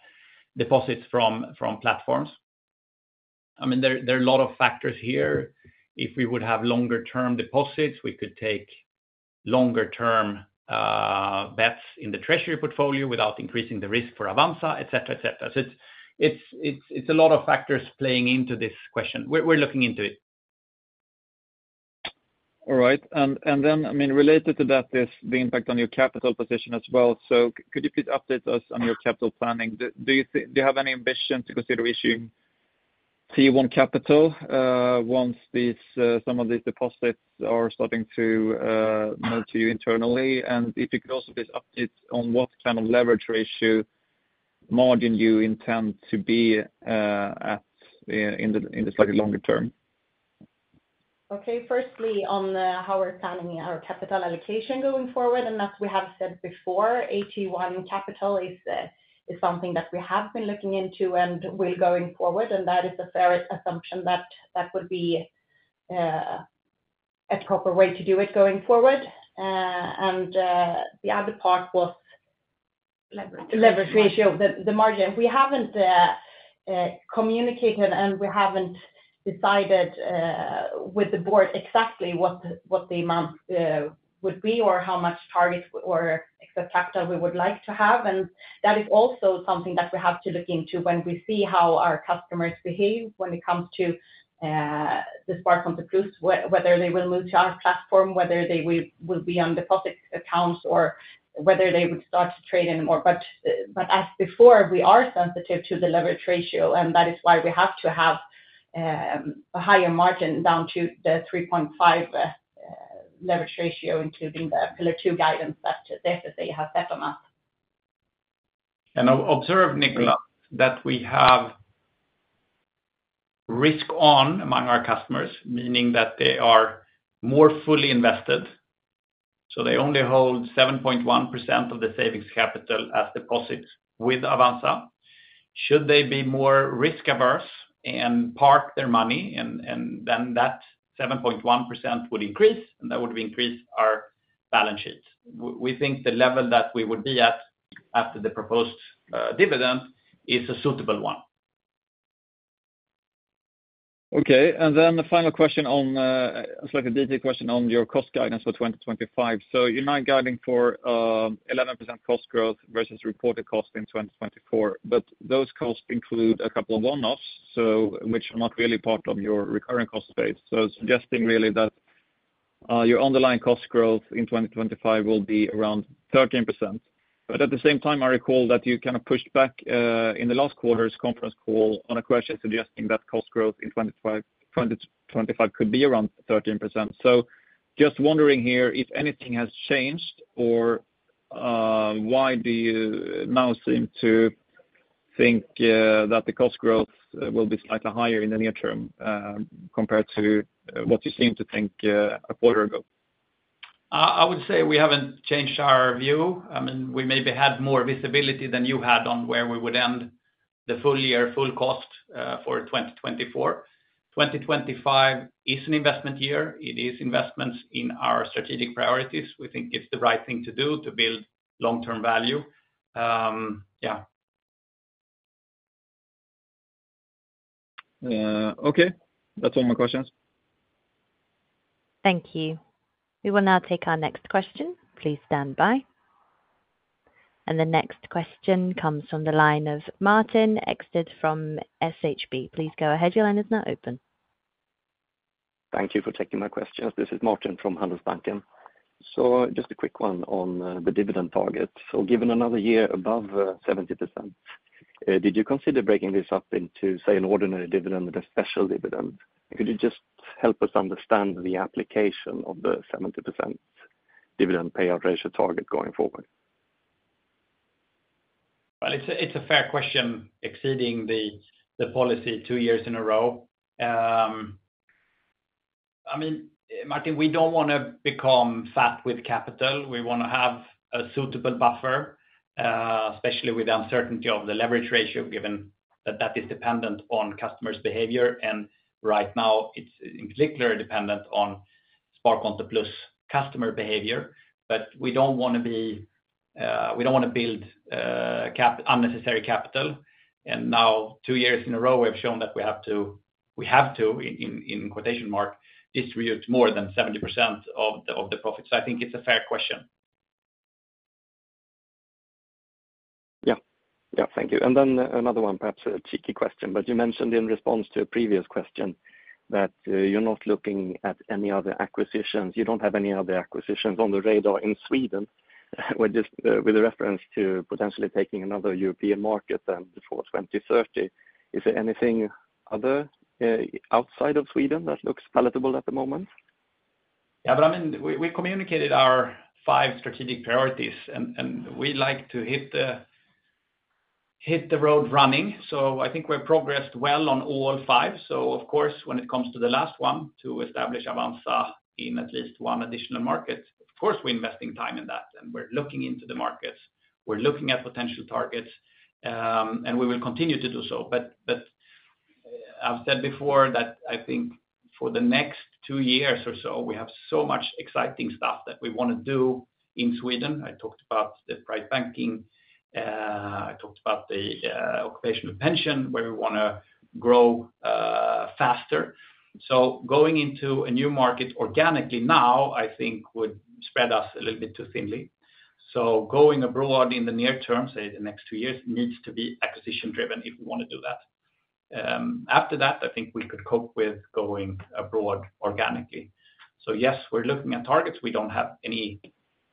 deposits from platforms. I mean, there are a lot of factors here. If we would have longer-term deposits, we could take longer-term bets in the treasury portfolio without increasing the risk for Avanza, etc., etc. So it's a lot of factors playing into this question. We're looking into it. All right. And then, I mean, related to that is the impact on your capital position as well. So could you please update us on your capital planning? Do you have any ambition to consider issuing T1 capital once some of these deposits are starting to move to you internally? If you could also just update on what kind of leverage ratio margin you intend to be at in the slightly longer term. Okay. Firstly, on how we're planning our capital allocation going forward. And as we have said before, CET1 capital is something that we have been looking into and will going forward. And that is a fair assumption that that would be a proper way to do it going forward. And the other part was leverage ratio. The margin. We haven't communicated, and we haven't decided with the board exactly what the amount would be or how much target or excess capital we would like to have. That is also something that we have to look into when we see how our customers behave when it comes to the Sparkonto+, whether they will move to our platform, whether they will be on deposit accounts, or whether they would start to trade anymore. As before, we are sensitive to the leverage ratio, and that is why we have to have a higher margin down to the 3.5 leverage ratio, including the Pillar 2 guidance that the FSA has set on us. I've observed, Nicolas, that we have risk-on among our customers, meaning that they are more fully invested. They only hold 7.1% of the savings capital as deposits with Avanza. Should they be more risk-averse and park their money, then that 7.1% would increase, and that would increase our balance sheets. We think the level that we would be at after the proposed dividend is a suitable one. Okay. And then the final question on a slightly detailed question on your cost guidance for 2025. So you're now guiding for 11% cost growth versus reported cost in 2024. But those costs include a couple of one-offs, which are not really part of your recurring cost base. So suggesting really that your underlying cost growth in 2025 will be around 13%. But at the same time, I recall that you kind of pushed back in the last quarter's conference call on a question suggesting that cost growth in 2025 could be around 13%. So just wondering here, if anything has changed, or why do you now seem to think that the cost growth will be slightly higher in the near term compared to what you seem to think a quarter ago? I would say we haven't changed our view. I mean, we maybe had more visibility than you had on where we would end the full year, full cost for 2024. 2025 is an investment year. It is investments in our strategic priorities. We think it's the right thing to do to build long-term value. Yeah. Okay. That's all my questions. Thank you. We will now take our next question. Please stand by. The next question comes from the line of Martin Ekstedt from SHB. Please go ahead. Your line is now open. Thank you for taking my questions. This is Martin from Handelsbanken. So just a quick one on the dividend target. So given another year above 70%, did you consider breaking this up into, say, an ordinary dividend and a special dividend? Could you just help us understand the application of the 70% dividend payout ratio target going forward? Well, it's a fair question. Exceeding the policy two years in a row. I mean, Martin, we don't want to become fat with capital. We want to have a suitable buffer, especially with the uncertainty of the leverage ratio, given that that is dependent on customers' behavior. Right now, it's in particular dependent on Sparkonto+ customer behavior. But we don't want to build unnecessary capital. Now, two years in a row, we have shown that we have to, in quotation mark, distribute more than 70% of the profits. I think it's a fair question. Yeah. Yeah. Thank you. Then another one, perhaps a cheeky question, but you mentioned in response to a previous question that you're not looking at any other acquisitions. You don't have any other acquisitions on the radar in Sweden, with a reference to potentially taking another European market before 2030. Is there anything other outside of Sweden that looks palatable at the moment? Yeah. But I mean, we communicated our five strategic priorities, and we like to hit the road running. So I think we've progressed well on all five. So of course, when it comes to the last one, to establish Avanza in at least one additional market, of course, we're investing time in that, and we're looking into the markets. We're looking at potential targets, and we will continue to do so. But I've said before that I think for the next two years or so, we have so much exciting stuff that we want to do in Sweden. I talked about the Private Banking. I talked about the occupational pension, where we want to grow faster, so going into a new market organically now, I think, would spread us a little bit too thinly. So going abroad in the near term, say, the next two years, needs to be acquisition-driven if we want to do that. After that, I think we could cope with going abroad organically, so yes, we're looking at targets. We don't have any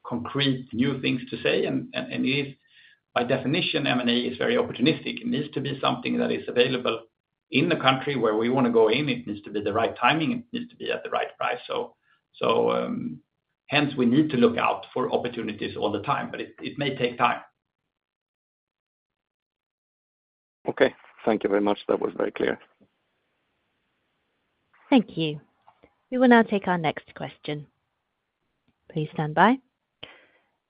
concrete new things to say. And by definition, M&A is very opportunistic. It needs to be something that is available in the country where we want to go in. It needs to be the right timing. It needs to be at the right price, so hence, we need to look out for opportunities all the time, but it may take time. Okay. Thank you very much. That was very clear. Thank you. We will now take our next question. Please stand by.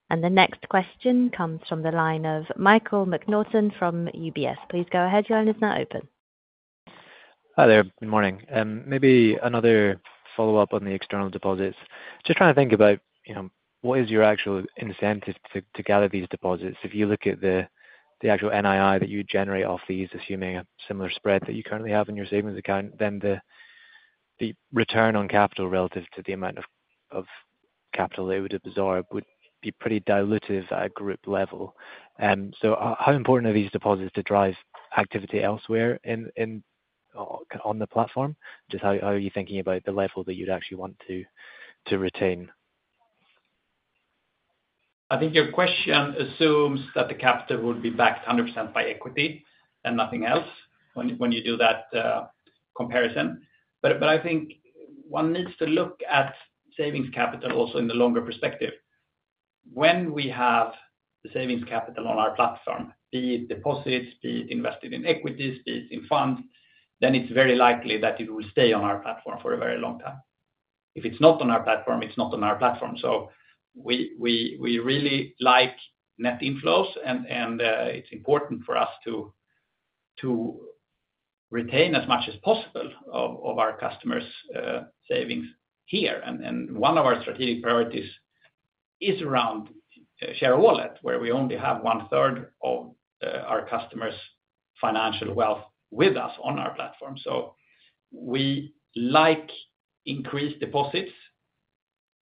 And the next question comes from the line of Michael McNaughton from UBS. Please go ahead. Your line is now open. Hi there. Good morning. Maybe another follow-up on the external deposits. Just trying to think about what is your actual incentive to gather these deposits. If you look at the actual NII that you generate off these, assuming a similar spread that you currently have in your savings account, then the return on capital relative to the amount of capital that you would absorb would be pretty dilutive at a group level. So how important are these deposits to drive activity elsewhere on the platform? Just how are you thinking about the level that you'd actually want to retain? I think your question assumes that the capital would be backed 100% by equity and nothing else when you do that comparison. But I think one needs to look at savings capital also in the longer perspective. When we have the savings capital on our platform, be it deposits, be it invested in equities, be it in funds, then it's very likely that it will stay on our platform for a very long time. If it's not on our platform, it's not on our platform. So we really like net inflows, and it's important for us to retain as much as possible of our customers' savings here. And one of our strategic priorities is around share of wallet, where we only have one-third of our customers' financial wealth with us on our platform. So we like increased deposits,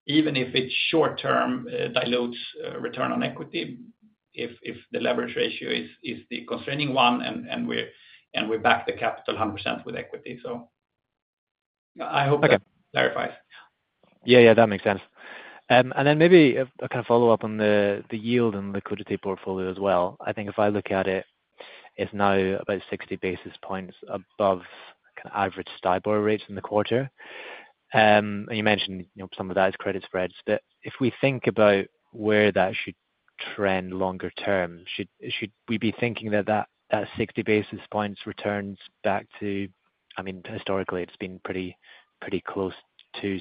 even if it short-term dilutes return on equity if the leverage ratio is the constraining one, and we back the capital 100% with equity. So I hope that clarifies. Yeah. Yeah. That makes sense. And then maybe a kind of follow-up on the yield and liquidity portfolio as well. I think if I look at it, it's now about 60 basis points above average STIBOR rates in the quarter. And you mentioned some of that is credit spreads. But if we think about where that should trend longer term, should we be thinking that that 60 basis points returns back to, I mean, historically, it's been pretty close to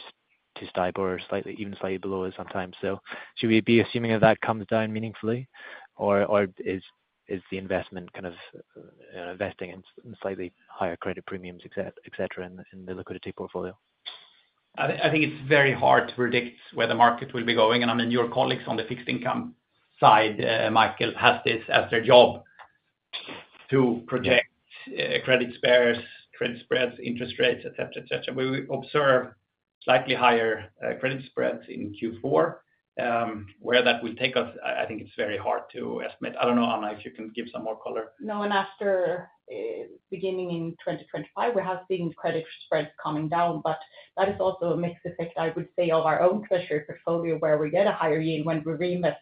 STIBOR or even slightly below it sometimes. So should we be assuming that that comes down meaningfully, or is the investment kind of investing in slightly higher credit premiums, etc., in the liquidity portfolio? I think it's very hard to predict where the market will be going. And I mean, your colleagues on the fixed income side, Michael, has this as their job to project credit spreads, credit spreads, interest rates, etc., etc. We observe slightly higher credit spreads in Q4. Where that will take us, I think it's very hard to estimate. I don't know, Anna, if you can give some more color. No, and at the beginning of 2025, we have seen credit spreads coming down, but that is also a mixed effect, I would say, of our own treasury portfolio, where we get a higher yield when we reinvest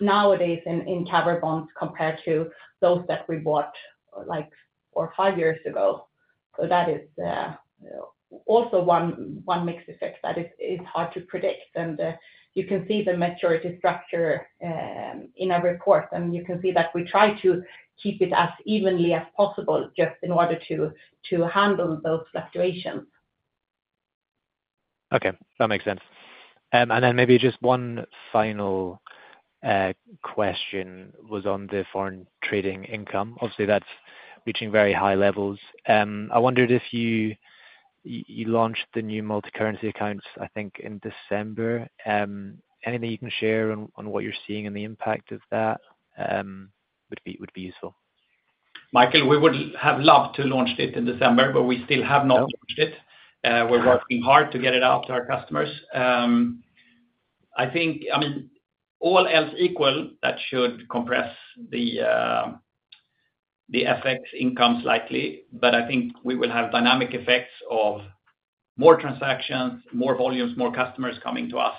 nowadays in covered bonds compared to those that we bought like four or five years ago. So that is also one mixed effect that is hard to predict. And you can see the maturity structure in our report, and you can see that we try to keep it as evenly as possible just in order to handle those fluctuations. Okay. That makes sense. And then maybe just one final question was on the foreign trading income. Obviously, that's reaching very high levels. I wondered if you launched the new multicurrency accounts, I think, in December. Anything you can share on what you're seeing and the impact of that would be useful. Michael, we would have loved to launch it in December, but we still have not launched it. We're working hard to get it out to our customers. I mean, all else equal, that should compress the FX income slightly, but I think we will have dynamic effects of more transactions, more volumes, more customers coming to us.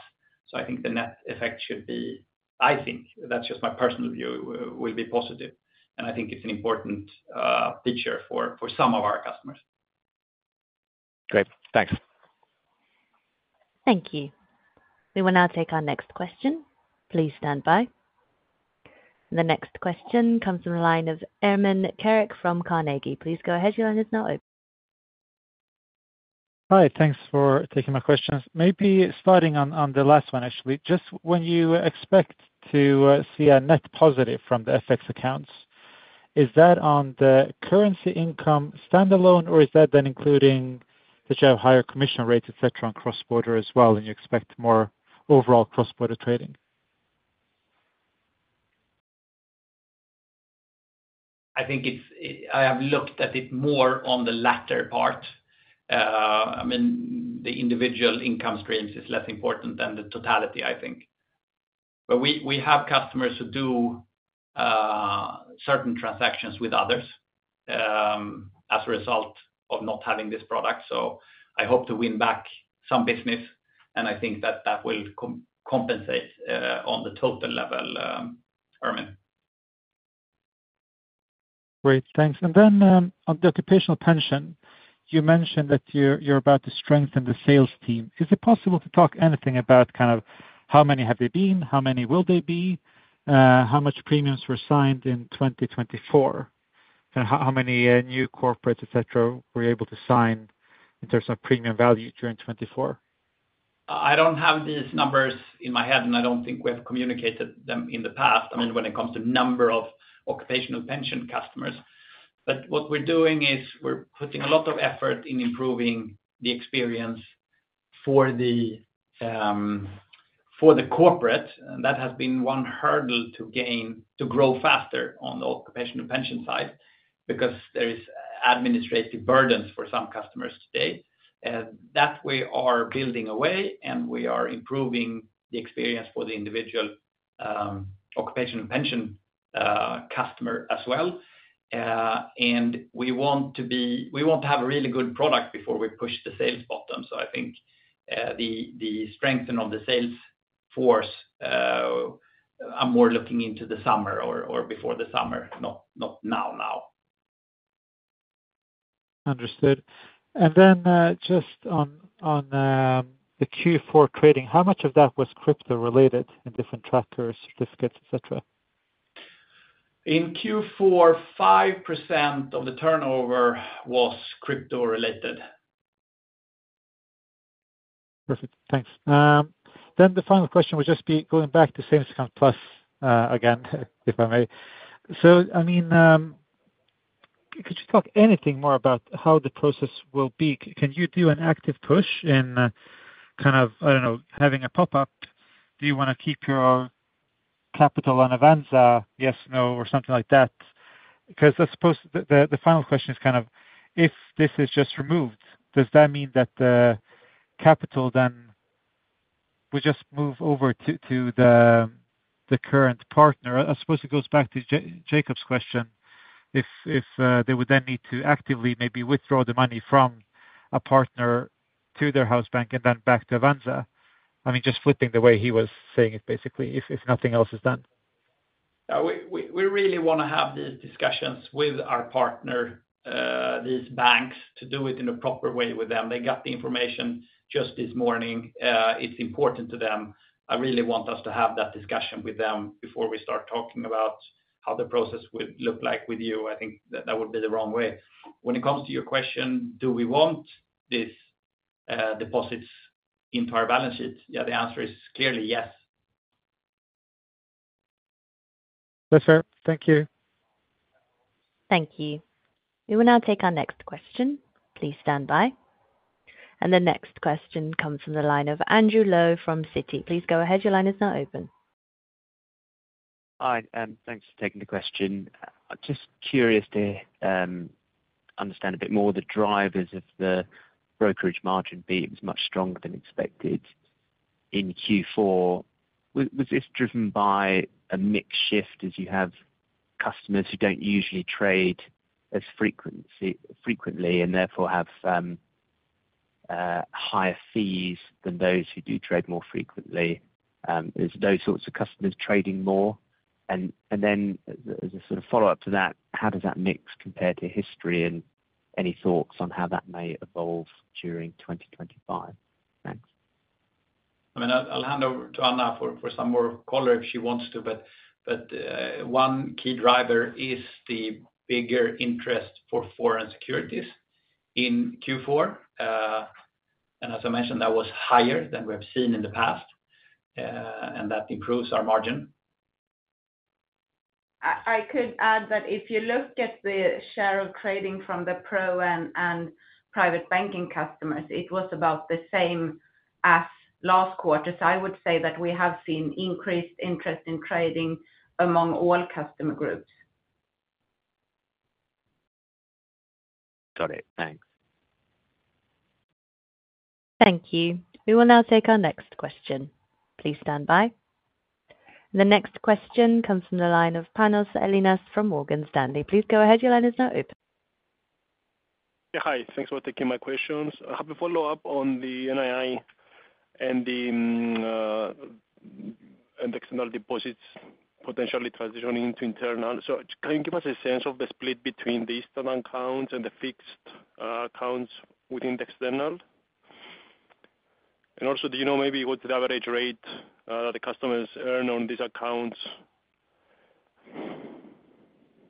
So I think the net effect should be, I think, that's just my personal view, will be positive. And I think it's an important feature for some of our customers. Great. Thanks. Thank you. We will now take our next question. Please stand by. The next question comes from the line of Ermin Keric from Carnegie. Please go ahead. Your line is now open. Hi. Thanks for taking my questions. Maybe starting on the last one, actually. Just when you expect to see a net positive from the FX accounts, is that on the currency income standalone, or is that then including that you have higher commission rates, etc., on cross-border as well, and you expect more overall cross-border trading? I think I have looked at it more on the latter part. I mean, the individual income streams is less important than the totality, I think. But we have customers who do certain transactions with others as a result of not having this product. So I hope to win back some business, and I think that that will compensate on the total level, Ermin. Great. Thanks. And then on the occupational pension, you mentioned that you're about to strengthen the sales team. Is it possible to talk anything about kind of how many have they been, how many will they be, how much premiums were signed in 2024, and how many new corporates, etc., were able to sign in terms of premium value during 2024? I don't have these numbers in my head, and I don't think we have communicated them in the past, I mean, when it comes to number of occupational pension customers. But what we're doing is we're putting a lot of effort in improving the experience for the corporate. That has been one hurdle to grow faster on the occupational pension side because there is administrative burdens for some customers today. That we are building away, and we are improving the experience for the individual occupational pension customer as well. We want to have a really good product before we push the sales button. I think the strengthening of the sales force, I'm more looking into the summer or before the summer, not now, now. Understood. Then just on the Q4 trading, how much of that was crypto-related in different trackers, certificates, etc.? In Q4, 5% of the turnover was crypto-related. Perfect. Thanks. The final question would just be going back to Sparkonto+ again, if I may. I mean, could you talk anything more about how the process will be? Can you do an active push in kind of, I don't know, having a pop-up? Do you want to keep your capital on Avanza, yes, no, or something like that? Because I suppose the final question is kind of, if this is just removed, does that mean that the capital then would just move over to the current partner? I suppose it goes back to Jacob's question. If they would then need to actively maybe withdraw the money from a partner to their house bank and then back to Avanza, I mean, just flipping the way he was saying it, basically, if nothing else is done. We really want to have these discussions with our partner, these banks, to do it in a proper way with them. They got the information just this morning. It's important to them. I really want us to have that discussion with them before we start talking about how the process would look like with you. I think that would be the wrong way. When it comes to your question, do we want these deposits into our balance sheet? Yeah, the answer is clearly yes. That's fair. Thank you. Thank you. We will now take our next question. Please stand by. And the next question comes from the line of Andrew Lowe from Citi. Please go ahead. Your line is now open. Hi. Thanks for taking the question. Just curious to understand a bit more the drivers of the brokerage margin being much stronger than expected in Q4. Was this driven by a mix shift as you have customers who don't usually trade as frequently and therefore have higher fees than those who do trade more frequently? Is those sorts of customers trading more? And then as a sort of follow-up to that, how does that mix compare to history and any thoughts on how that may evolve during 2025? Thanks. I mean, I'll hand over to Anna for some more color if she wants to, but one key driver is the bigger interest for foreign securities in Q4. And as I mentioned, that was higher than we have seen in the past, and that improves our margin. I could add that if you look at the share of trading from the Pro and Private Banking customers, it was about the same as last quarter. So I would say that we have seen increased interest in trading among all customer groups. Got it. Thanks. Thank you. We will now take our next question. Please stand by. The next question comes from the line of Panos Ellinas from Morgan Stanley. Please go ahead. Your line is now open. Yeah. Hi. Thanks for taking my questions. I have a follow-up on the NII and the external deposits potentially transitioning into internal. So can you give us a sense of the split between the external accounts and the fixed accounts within the external? And also, do you know maybe what's the average rate that the customers earn on these accounts?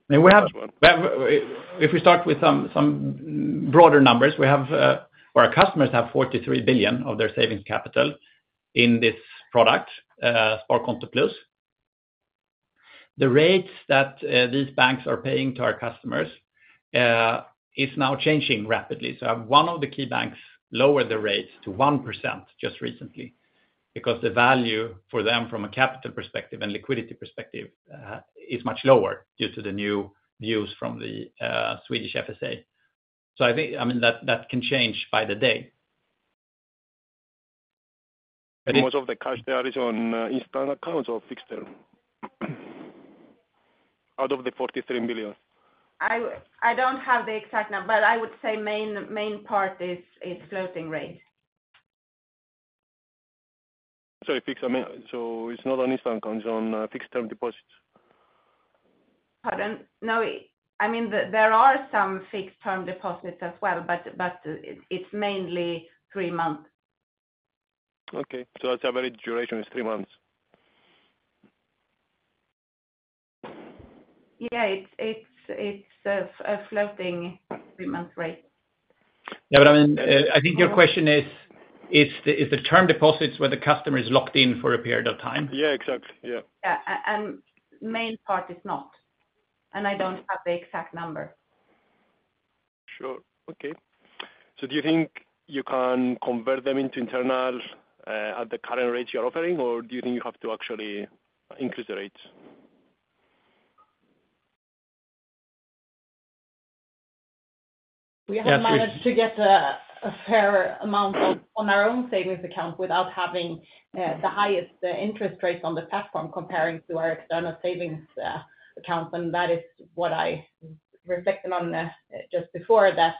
If we start with some broader numbers, our customers have 43 billion of their savings capital in this product, Sparkonto+. The rates that these banks are paying to our customers is now changing rapidly. One of the key banks lowered the rates to 1% just recently because the value for them from a capital perspective and liquidity perspective is much lower due to the new views from the Swedish FSA. So I mean, that can change by the day. And most of the cash there is on external accounts or fixed term out of the 43 billion? I don't have the exact number, but I would say main part is floating rate. Sorry, fixed. So it's not on external accounts, it's on fixed term deposits? Pardon? No, I mean, there are some fixed term deposits as well, but it's mainly three months. Okay. So that's average duration is three months. Yeah. It's a floating three-month rate. Yeah. But I mean, I think your question is, is the term deposits where the customer is locked in for a period of time? Yeah. Exactly. It is not I don't have the exact number. Sure. Okay. So do you think you can convert them into internal at the current rates you're offering, or do you think you have to actually increase the rates? We have managed to get a fair amount on our own savings account without having the highest interest rates on the platform comparing to our external savings accounts. And that is what I reflected on just before, that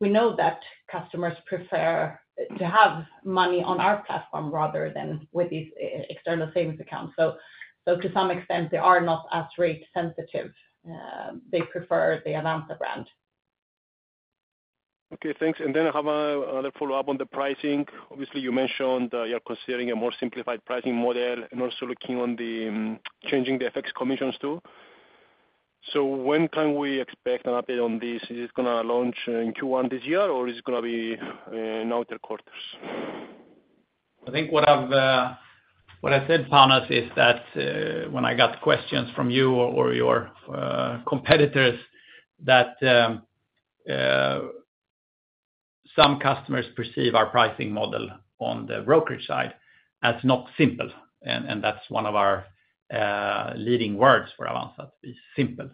we know that customers prefer to have money on our platform rather than with these external savings accounts. So to some extent, they are not as rate-sensitive. They prefer the Avanza brand. Okay. Thanks. And then I have another follow-up on the pricing. Obviously, you mentioned you're considering a more simplified pricing model and also looking on changing the FX commissions too. When can we expect an update on this? Is it going to launch in Q1 this year, or is it going to be in other quarters? I think what I said, Panos, is that when I got questions from you or your competitors that some customers perceive our pricing model on the brokerage side as not simple. And that's one of our leading words for Avanza, to be simple.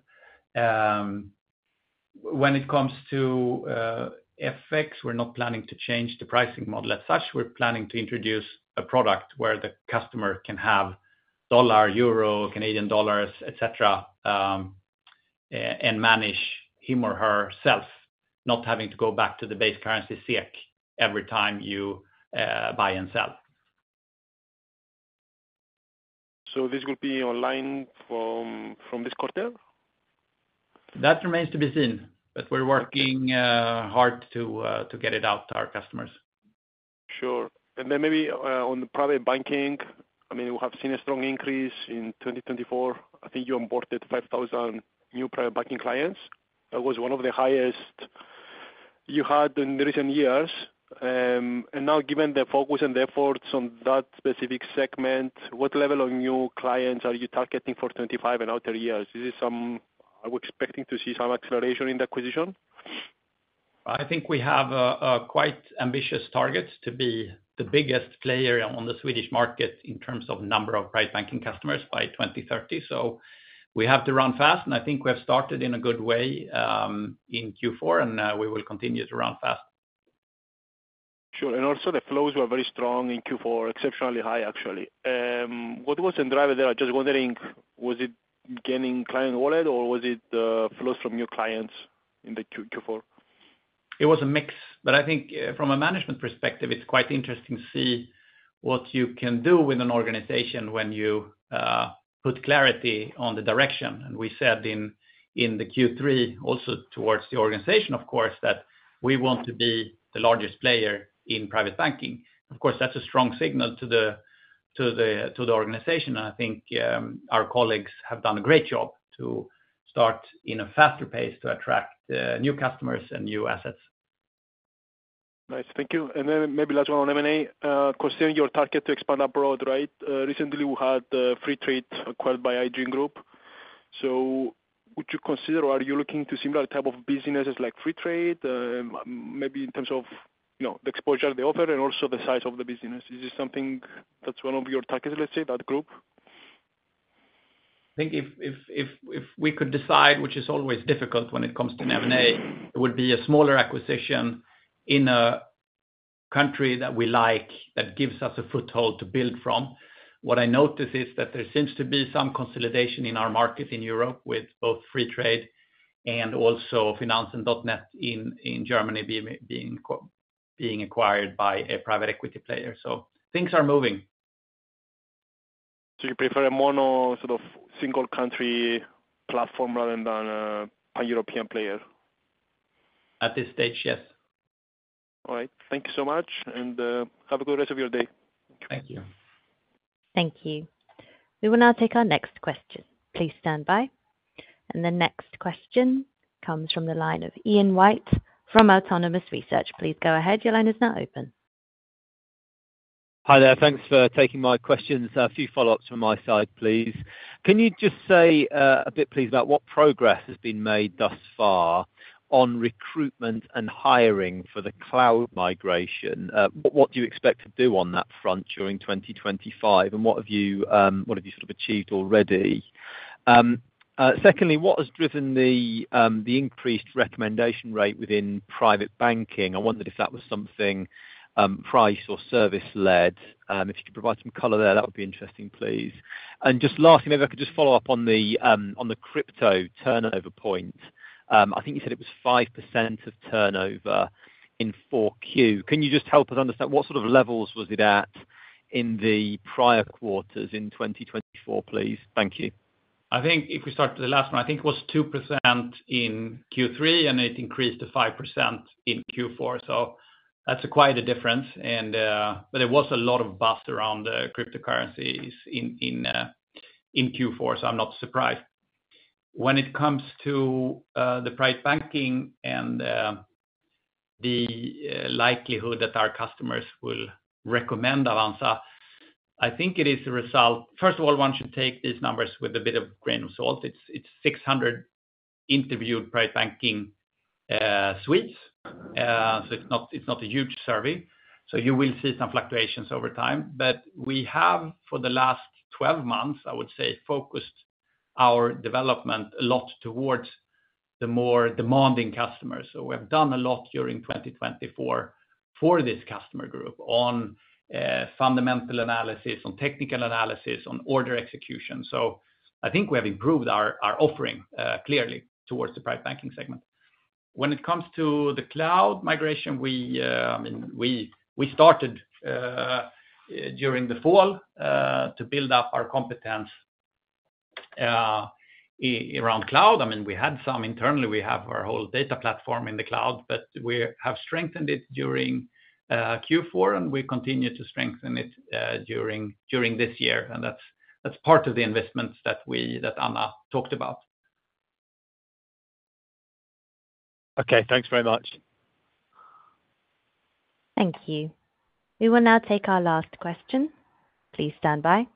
When it comes to FX, we're not planning to change the pricing model as such. We're planning to introduce a product where the customer can have dollar, euro, Canadian dollars, etc., and manage him or herself, not having to go back to the base currency SEK every time you buy and sell. So this will be online from this quarter? That remains to be seen, but we're working hard to get it out to our customers. Sure. Then maybe on the private banking, I mean, we have seen a strong increase in 2024. I think you onboarded 5,000 new private banking clients. That was one of the highest you had in recent years. Now, given the focus and the efforts on that specific segment, what level of new clients are you targeting for 2025 and outer years? Are we expecting to see some acceleration in the acquisition? I think we have quite ambitious targets to be the biggest player on the Swedish market in terms of number of private banking customers by 2030. We have to run fast, and I think we have started in a good way in Q4, and we will continue to run fast. Sure. Also the flows were very strong in Q4, exceptionally high, actually. What was the driver there? I'm just wondering, was it gaining client wallet, or was it flows from new clients in Q4? It was a mix. But I think from a management perspective, it's quite interesting to see what you can do with an organization when you put clarity on the direction. And we said in the Q3 also towards the organization, of course, that we want to be the largest player in Private Banking. Of course, that's a strong signal to the organization. And I think our colleagues have done a great job to start in a faster pace to attract new customers and new assets. Nice. Thank you. And then maybe last one on M&A. Considering your target to expand abroad, right? Recently, we had Freetrade acquired by IG Group. So would you consider or are you looking to similar type of businesses like Freetrade, maybe in terms of the exposure they offer and also the size of the business? Is this something that's one of your targets, let's say, that group? I think if we could decide, which is always difficult when it comes to an M&A, it would be a smaller acquisition in a country that we like that gives us a foothold to build from. What I notice is that there seems to be some consolidation in our market in Europe with both Freetrade and also Finanzen.net in Germany being acquired by a private equity player. So things are moving. So you prefer a mono sort of single country platform rather than a pan-European player? At this stage, yes. All right. Thank you so much. And have a good rest of your day. Thank you. Thank you. We will now take our next question. Please stand by. And the next question comes from the line of Ian White from Autonomous Research. Please go ahead. Your line is now open. Hi there. Thanks for taking my questions. A few follow-ups from my side, please. Can you just say a bit, please, about what progress has been made thus far on recruitment and hiring for the cloud migration? What do you expect to do on that front during 2025? And what have you sort of achieved already? Secondly, what has driven the increased recommendation rate within private banking? I wondered if that was something price or service-led. If you could provide some color there, that would be interesting, please. And just lastly, maybe I could just follow up on the crypto turnover point. I think you said it was 5% of turnover in 4Q. Can you just help us understand what sort of levels was it at in the prior quarters in 2024, please? Thank you. I think if we start with the last one, I think it was 2% in Q3, and it increased to 5% in Q4, so that's quite a difference, but there was a lot of buzz around cryptocurrencies in Q4, so I'm not surprised. When it comes to the Private Banking and the likelihood that our customers will recommend Avanza, I think it is a result. First of all, one should take these numbers with a grain of salt. It's 600 interviewed private banking Swedes, so it's not a huge survey, so you will see some fluctuations over time, but we have, for the last 12 months, I would say, focused our development a lot towards the more demanding customers. So we have done a lot during 2024 for this customer group on fundamental analysis, on technical analysis, on order execution. So I think we have improved our offering clearly towards the Private Banking segment. When it comes to the cloud migration, I mean, we started during the fall to build up our competence around cloud. I mean, we had some internally. We have our whole data platform in the cloud, but we have strengthened it during Q4, and we continue to strengthen it during this year. And that's part of the investments that Anna talked about. Okay. Thanks very much. Thank you. We will now take our last question. Please stand by.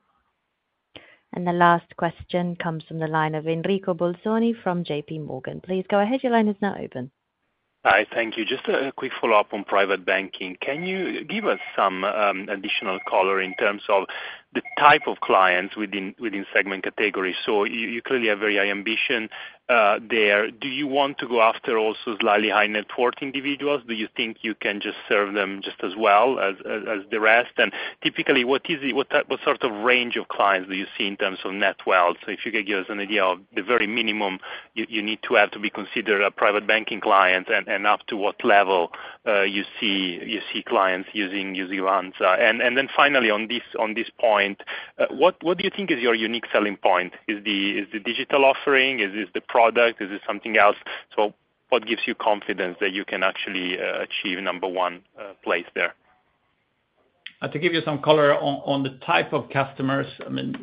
And the last question comes from the line of Enrico Bolzoni from JPMorgan. Please go ahead. Your line is now open. Hi. Thank you. Just a quick follow-up on Private Banking. Can you give us some additional color in terms of the type of clients within segment categories? So you clearly have very high ambition there. Do you want to go after also slightly high-net-worth individuals? Do you think you can just serve them just as well as the rest? And typically, what sort of range of clients do you see in terms of net wealth? So if you could give us an idea of the very minimum you need to have to be considered a Private Banking client and up to what level you see clients using Avanza? And then finally, on this point, what do you think is your unique selling point? Is it the digital offering? Is it the product? Is it something else? So what gives you confidence that you can actually achieve number one place there? To give you some color on the type of customers, I mean,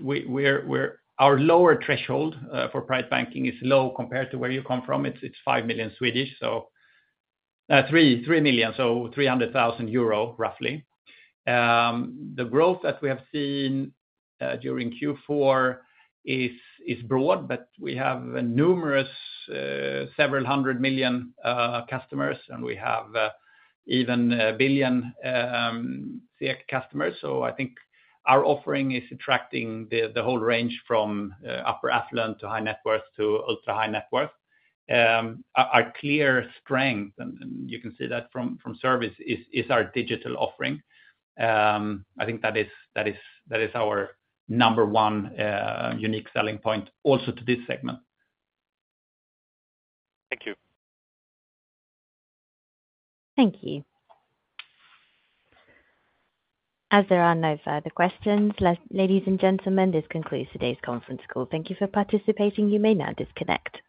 our lower threshold for Private Banking is low compared to where you come from. It's 5 million, so 3 million, so 300,000 euro roughly. The growth that we have seen during Q4 is broad, but we have numerous, several hundred thousand customers, and we have even a million ISK customers. So I think our offering is attracting the whole range from upper affluent to high-net-worth to ultra-high-net-worth. Our clear strength, and you can see that from service, is our digital offering. I think that is our number one unique selling point also to this segment. Thank you. Thank you. As there are no further questions, ladies and gentlemen, this concludes today's conference call. Thank you for participating. You may now disconnect.